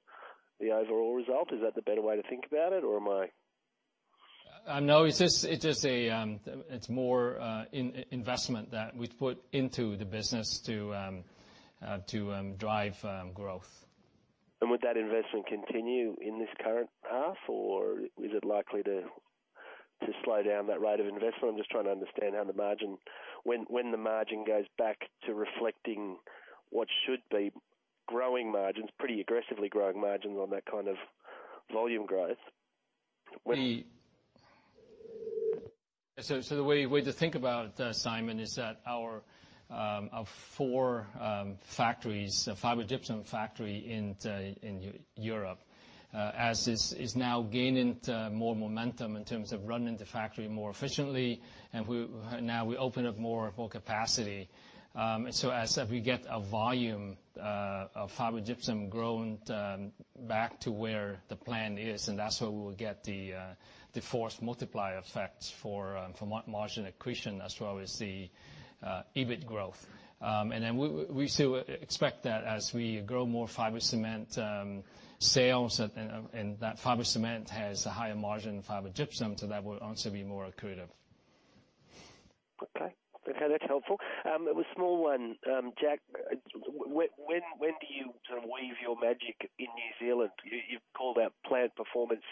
the overall result? Is that the better way to think about it, or am I- No, it's just an investment that we've put into the business to drive growth. Would that investment continue in this current path, or is it likely to slow down that rate of investment? I'm just trying to understand how the margin, when the margin goes back to reflecting what should be growing margins, pretty aggressively growing margins on that kind of volume growth, when So the way to think about it, Simon, is that our four factories, fiber gypsum factory in Europe, as is, is now gaining more momentum in terms of running the factory more efficiently, and we now open up more and more capacity. So as we get a volume of fiber gypsum growing back to where the plan is, and that's where we will get the force multiplier effects for margin accretion, as well as the EBIT growth. And then we still expect that as we grow more fiber cement sales, and that fiber cement has a higher margin fiber gypsum, so that will also be more accretive. Okay. That's helpful. A small one. Jack, when do you sort of weave your magic in New Zealand? You've called out plant performance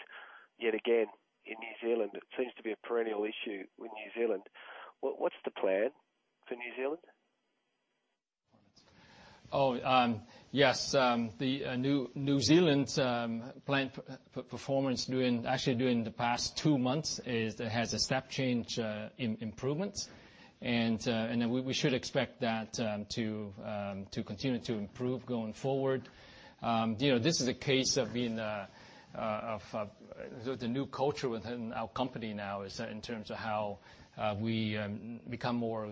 yet again in New Zealand. It seems to be a perennial issue with New Zealand. What's the plan for New Zealand? Oh, yes, the New Zealand plant performance during, actually during, the past two months is. It has a step change in improvements. And then we should expect that to continue to improve going forward. You know, this is a case of the new culture within our company now, is in terms of how we become more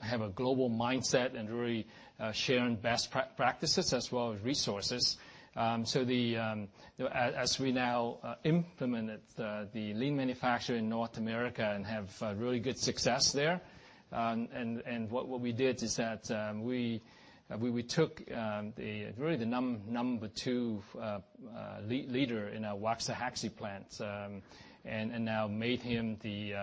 have a global mindset and really sharing best practices as well as resources. So as we now implement the lean manufacturing in North America and have really good success there, and what we did is that we took the number two leader in our Waxahachie plant and now made him the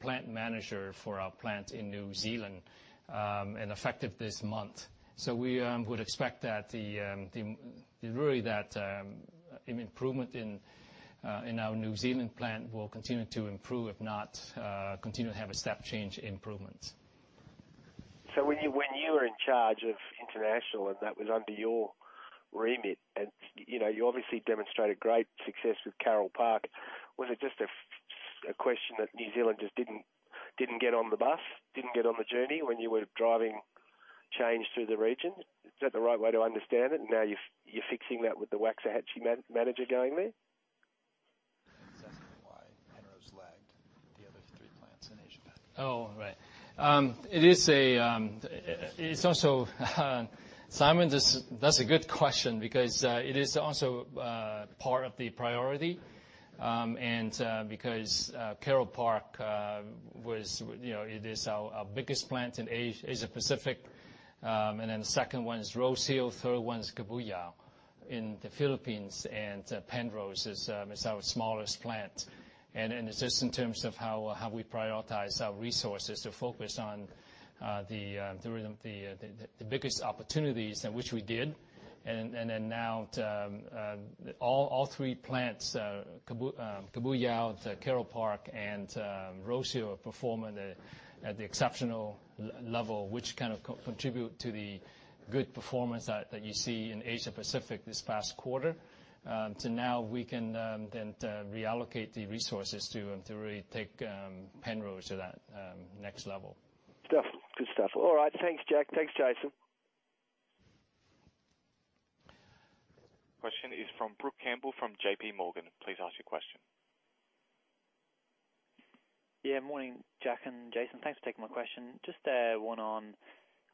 plant manager for our plant in New Zealand and effective this month. So we would expect that an improvement in our New Zealand plant will continue to improve, if not continue to have a step change improvement. When you were in charge of international and that was under your remit, and, you know, you obviously demonstrated great success with Carroll Park. Was it just a question that New Zealand just didn't get on the bus, didn't get on the journey when you were driving change through the region? Is that the right way to understand it? And now you're fixing that with the Waxahachie manager going there? He's asking why Penrose lagged the other three plants in AsiaPac. Oh, right. It is a, it's also, Simon, that's a good question because it is also part of the priority. And because Carroll Park was, you know, it is our biggest plant in Asia Pacific. And then the second one is Rosehill, third one is Cabuyao in the Philippines, and Penrose is our smallest plant. And it's just in terms of how we prioritize our resources to focus on the biggest opportunities, and which we did. And then now to all three plants, Cabuyao, Carroll Park, and Rosehill are performing at the exceptional level, which kind of contribute to the good performance that you see in Asia Pacific this past quarter. So now we can then reallocate the resources to really take Penrose to that next level. Stuff. Good stuff. All right. Thanks, Jack. Thanks, Jason. Question is from Brook Campbell, from JPMorgan. Please ask your question. Yeah, morning, Jack and Jason. Thanks for taking my question. Just one on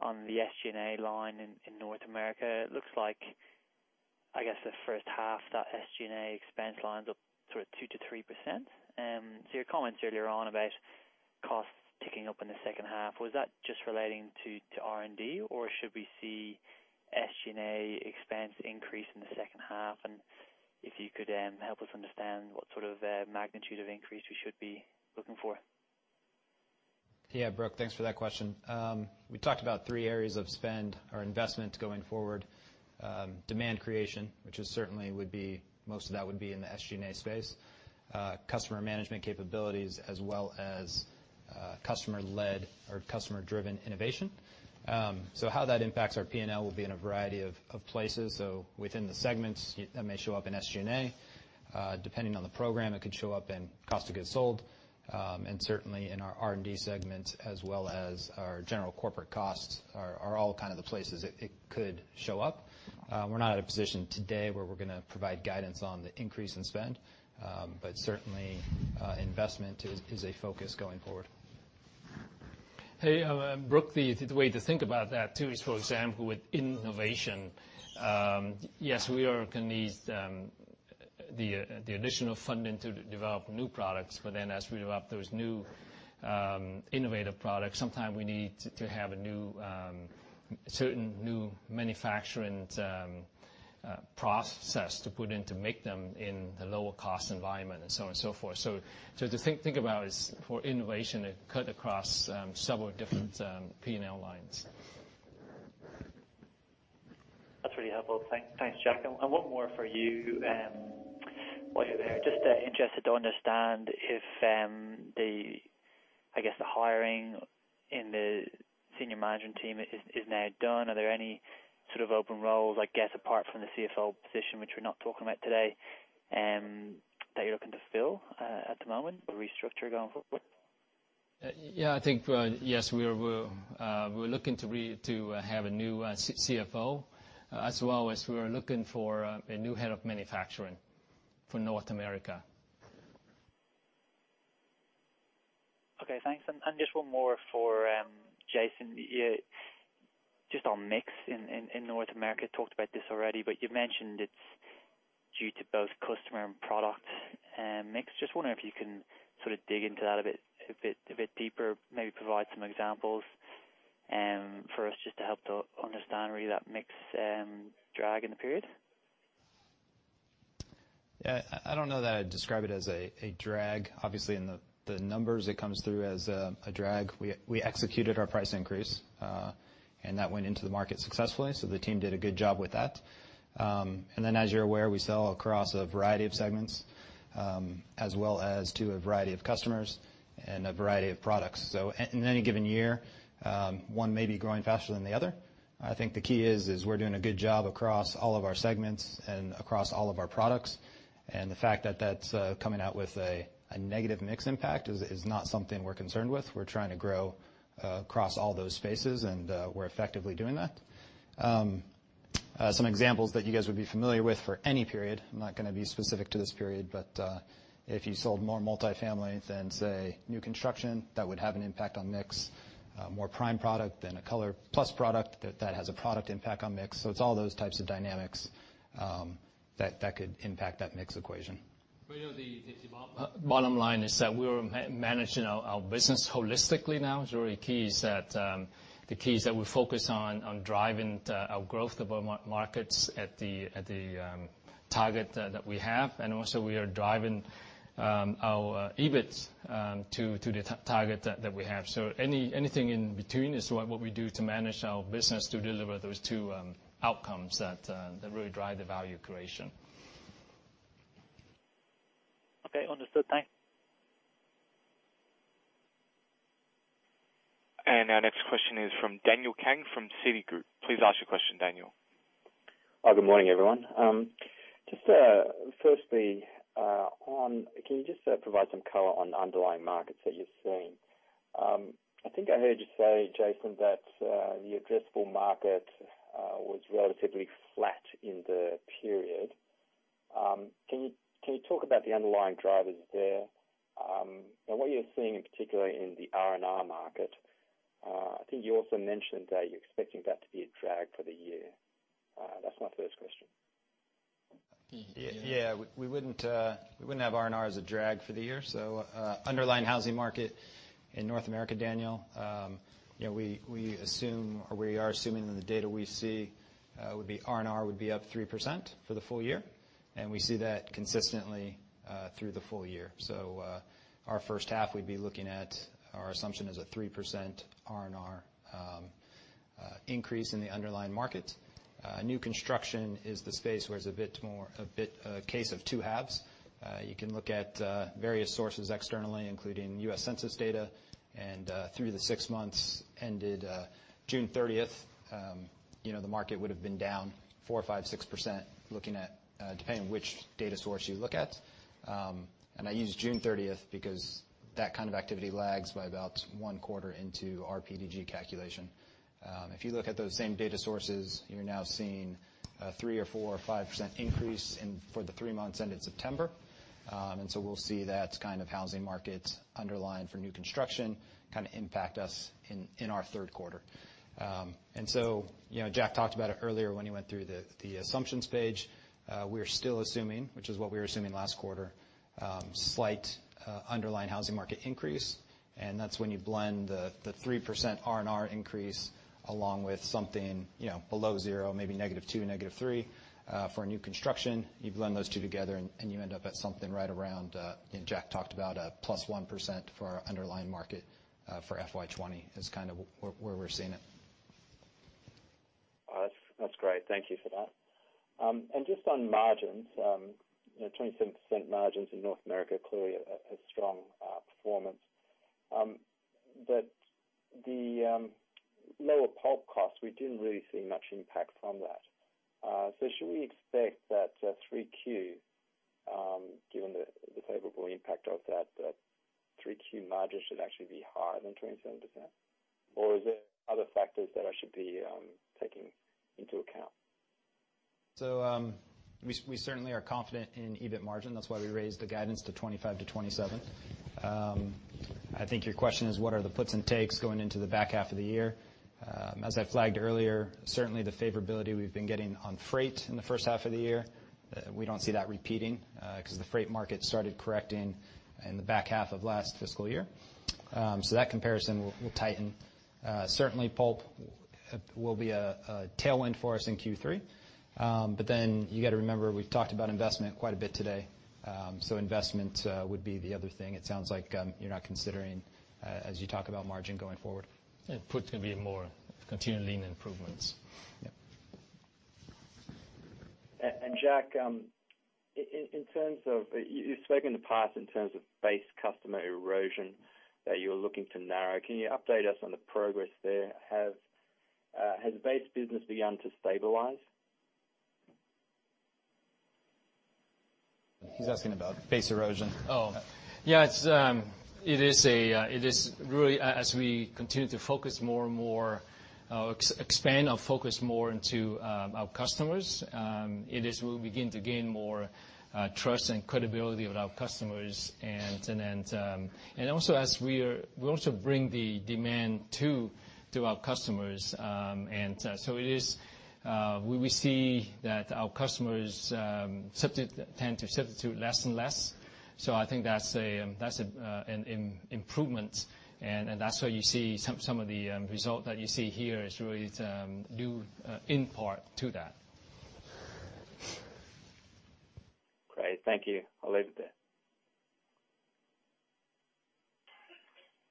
the SG&A line in North America. It looks like, I guess, the first half, that SG&A expense lines up sort of 2%-3%. So your comments earlier on about costs picking up in the second half, was that just relating to R&D, or should we see SG&A expense increase in the second half? And if you could help us understand what sort of magnitude of increase we should be looking for. Yeah, Brook, thanks for that question. We talked about three areas of spend or investment going forward. Demand creation, which is certainly would be, most of that would be in the SG&A space, customer management capabilities, as well as customer-led or customer-driven innovation. So how that impacts our P&L will be in a variety of places. So within the segments, it may show up in SG&A, depending on the program, it could show up in cost of goods sold. And certainly in our R&D segments, as well as our general corporate costs, are all kind of the places it could show up. We're not at a position today where we're gonna provide guidance on the increase in spend, but certainly investment is a focus going forward. Hey, Brook, the way to think about that, too, is, for example, with innovation. Yes, we are gonna need the additional funding to develop new products, but then as we develop those new innovative products, sometime we need to have a new certain new manufacturing process to put in to make them in the lower cost environment and so on and so forth. So to think about is for innovation, it cut across several different P&L lines. That's really helpful. Thanks, Jack. One more for you. While you're there, just interested to understand if the hiring in the senior management team is now done. Are there any sort of open roles, I guess, apart from the CFO position, which we're not talking about today, that you're looking to fill at the moment or restructure going forward? Yeah, I think yes, we're looking to have a new CFO, as well as we are looking for a new head of manufacturing for North America. Okay, thanks. And just one more for Jason. Yeah, just on mix in North America. Talked about this already, but you've mentioned it's due to both customer and product mix. Just wondering if you can sort of dig into that a bit deeper, maybe provide some examples for us just to help to understand really that mix drag in the period. Yeah. I don't know that I'd describe it as a drag. Obviously, in the numbers, it comes through as a drag. We executed our price increase, and that went into the market successfully, so the team did a good job with that. And then as you're aware, we sell across a variety of segments, as well as to a variety of customers and a variety of products. So in any given year, one may be growing faster than the other. I think the key is we're doing a good job across all of our segments and across all of our products, and the fact that that's coming out with a negative mix impact is not something we're concerned with. We're trying to grow across all those spaces, and we're effectively doing that. Some examples that you guys would be familiar with for any period. I'm not gonna be specific to this period, but if you sold more multifamily than, say, new construction, that would have an impact on mix. More prime product than a ColorPlus product, that has a product impact on mix. So it's all those types of dynamics that could impact that mix equation. But, you know, the bottom line is that we're managing our business holistically now. It's really key is that the keys that we focus on driving our growth of our markets at the target that we have, and also we are driving our EBIT to the target that we have. So anything in between is what we do to manage our business to deliver those two outcomes that really drive the value creation.... Okay, understood. Thanks. And our next question is from Daniel Kang from Citigroup. Please ask your question, Daniel. Good morning, everyone. Just, firstly, on, can you just provide some color on underlying markets that you're seeing? I think I heard you say, Jason, that the addressable market was relatively flat in the period. Can you talk about the underlying drivers there, and what you're seeing in particular in the R&R market? I think you also mentioned that you're expecting that to be a drag for the year. That's my first question. Yeah, we wouldn't have R&R as a drag for the year. So, underlying housing market in North America, Daniel, you know, we assume, or we are assuming that the data we see would be R&R up 3% for the full year, and we see that consistently through the full year. So, our first half, we'd be looking at our assumption is a 3% R&R increase in the underlying market. New construction is the space where it's a bit more, a case of two halves. You can look at various sources externally, including U.S. Census data, and through the six months ended 13 June, you know, the market would've been down 4%, 5%, 6%, looking at depending on which data source you look at. And I use 13 June because that kind of activity lags by about one quarter into our PDG calculation. If you look at those same data sources, you're now seeing a 3 or 4 or 5% increase in, for the three months ended September. And so we'll see that kind of housing market underlying for new construction kind of impact us in our third quarter. And so, you know, Jack talked about it earlier when he went through the assumptions page. We're still assuming, which is what we were assuming last quarter, slight underlying housing market increase, and that's when you blend the 3% R&R increase along with something, you know, below zero, maybe negative two, negative three. For new construction, you blend those two together, and you end up at something right around, you know, Jack talked about a +1% for our underlying market, for FY 2020, is kind of where we're seeing it. That's great. Thank you for that. And just on margins, you know, 27% margins in North America, clearly a strong performance. But the lower pulp cost, we didn't really see much impact from that. So should we expect that Q3, given the favorable impact of that, Q3 margins should actually be higher than 27%? Or is there other factors that I should be taking into account? So, we certainly are confident in EBIT margin. That's why we raised the guidance to 25%-27%. I think your question is, what are the puts and takes going into the back half of the year? As I flagged earlier, certainly the favorability we've been getting on freight in the first half of the year, we don't see that repeating, 'cause the freight market started correcting in the back half of last fiscal year. So that comparison will tighten. Certainly, pulp will be a tailwind for us in Q3. But then you gotta remember, we've talked about investment quite a bit today. So investment would be the other thing. It sounds like you're not considering, as you talk about margin going forward. Outputs will be more continuous improvements. Jack, in terms of, you've spoken in the past in terms of base customer erosion that you're looking to narrow. Can you update us on the progress there? Has base business begun to stabilize? He's asking about base erosion. Oh, yeah, it's really as we continue to focus more and more, expand our focus more into our customers, we'll begin to gain more trust and credibility with our customers. And also as we also bring the demand to our customers, and so we see that our customers tend to substitute less and less. So I think that's an improvement, and that's why you see some of the result that you see here is really due in part to that. Great. Thank you. I'll leave it there.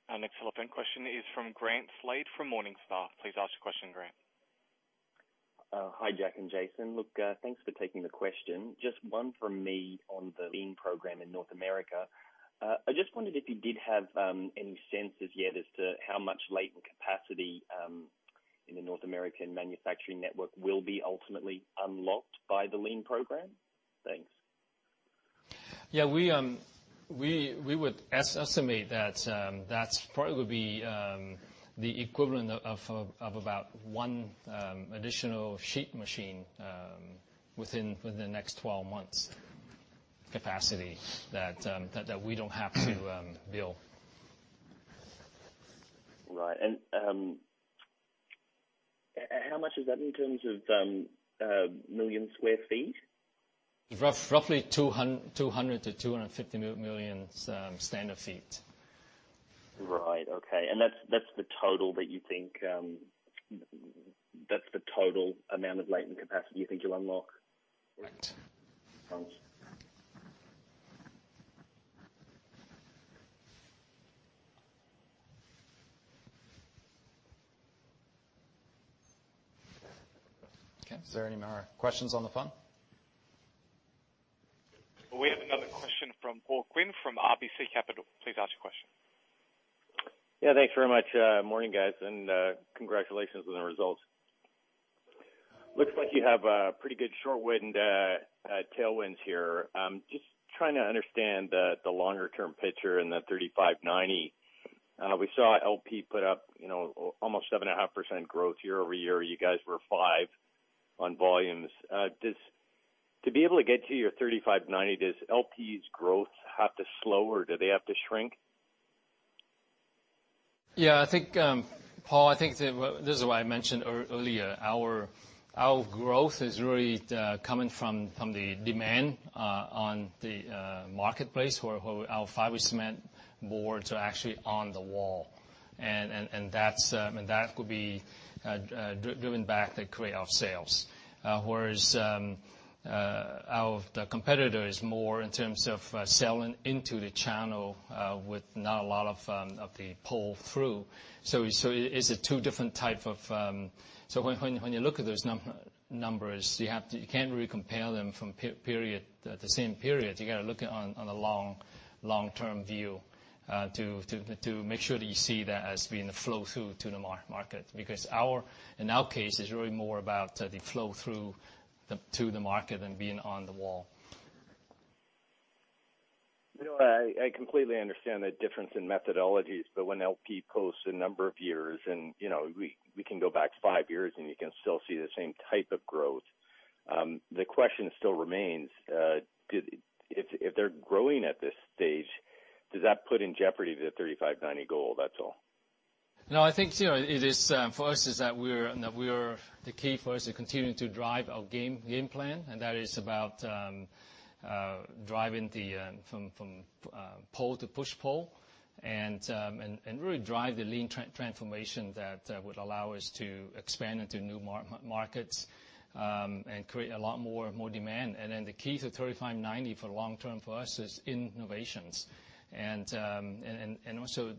Our next follow-up and question is from Grant Slade, from Morningstar. Please ask your question, Grant. Hi, Jack and Jason. Look, thanks for taking the question. Just one from me on the Lean program in North America. I just wondered if you did have any sense as yet as to how much latent capacity in the North American manufacturing network will be ultimately unlocked by the Lean program? Thanks. Yeah, we would estimate that that probably would be the equivalent of about one additional sheet machine within the next 12 months capacity that we don't have to build. Right. And how much is that in terms of million sq ft? Roughly 200-250 million square feet. Right. Okay. And that's, that's the total that you think. That's the total amount of latent capacity you think you'll unlock? Right. Thanks. Okay, is there any more questions on the phone? We have another question from Paul Quinn, from RBC Capital. Please ask your question. Yeah, thanks very much. Morning, guys, and congratulations on the results. Looks like you have a pretty good strong tailwinds here. Just trying to understand the longer term picture and the 35/90. We saw LP put up, you know, almost 7.5% growth year-over-year. You guys were 5% on volumes. Does, to be able to get to your 35/90, does LP's growth have to slow, or do they have to shrink? Yeah, I think, Paul, I think the, well, this is why I mentioned earlier, our growth is really coming from the demand on the marketplace, where our fiber cement boards are actually on the wall. And that's and that could be driven by the creation of our sales. Whereas, our the competitor is more in terms of selling into the channel with not a lot of the pull through. So it's a two different type of. So when you look at those numbers, you have to you can't really compare them from period to period. You gotta look on a long-term view to make sure that you see that as being the flow through to the market, because in our case, it's really more about the flow through to the market and being on the wall. You know, I completely understand the difference in methodologies, but when LP posts a number of years, and, you know, we can go back five years, and you can still see the same type of growth, the question still remains. If they're growing at this stage, does that put in jeopardy the 35/90 goal? That's all. No, I think, you know, it is for us is that we are the key for us to continuing to drive our game plan, and that is about driving from pull to push-pull, and really drive the lean transformation that would allow us to expand into new markets and create a lot more demand. And then the key to 35/90 for long term for us is innovations. And also,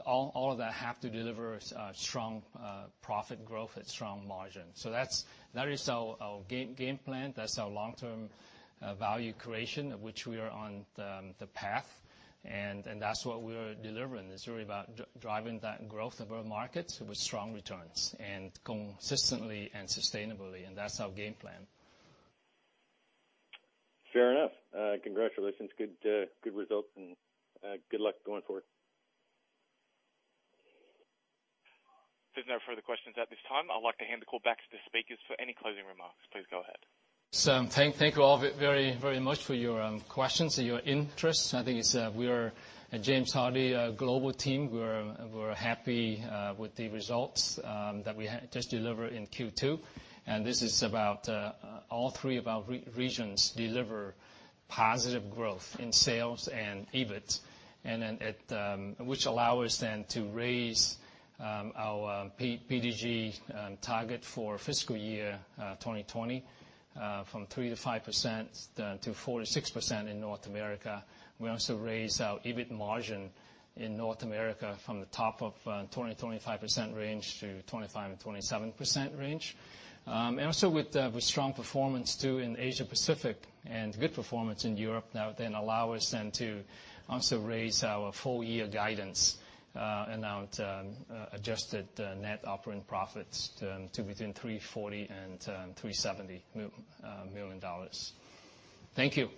all of that have to deliver a strong profit growth and strong margin. So that's our game plan. That's our long-term value creation, of which we are on the path, and that's what we're delivering. It's really about driving that growth of our markets with strong returns, and consistently and sustainably, and that's our game plan. Fair enough. Congratulations. Good results, and good luck going forward. There's no further questions at this time. I'd like to hand the call back to the speakers for any closing remarks. Please go ahead. Thank you all very much for your questions and your interest. I think we are James Hardie, a global team. We're happy with the results that we had just delivered in Q2, and this is about all three of our regions deliver positive growth in sales and EBIT. And that which allows us then to raise our PDG target for fiscal year 2020 from 3%-5% to 4%-6% in North America. We also raised our EBIT margin in North America from the top of 20%-25% range to 25%-27% range. And also with strong performance, too, in Asia Pacific, and good performance in Europe, now allow us to also raise our full-year guidance, and now to adjust the net operating profits to between $340 and $370 million. Thank you.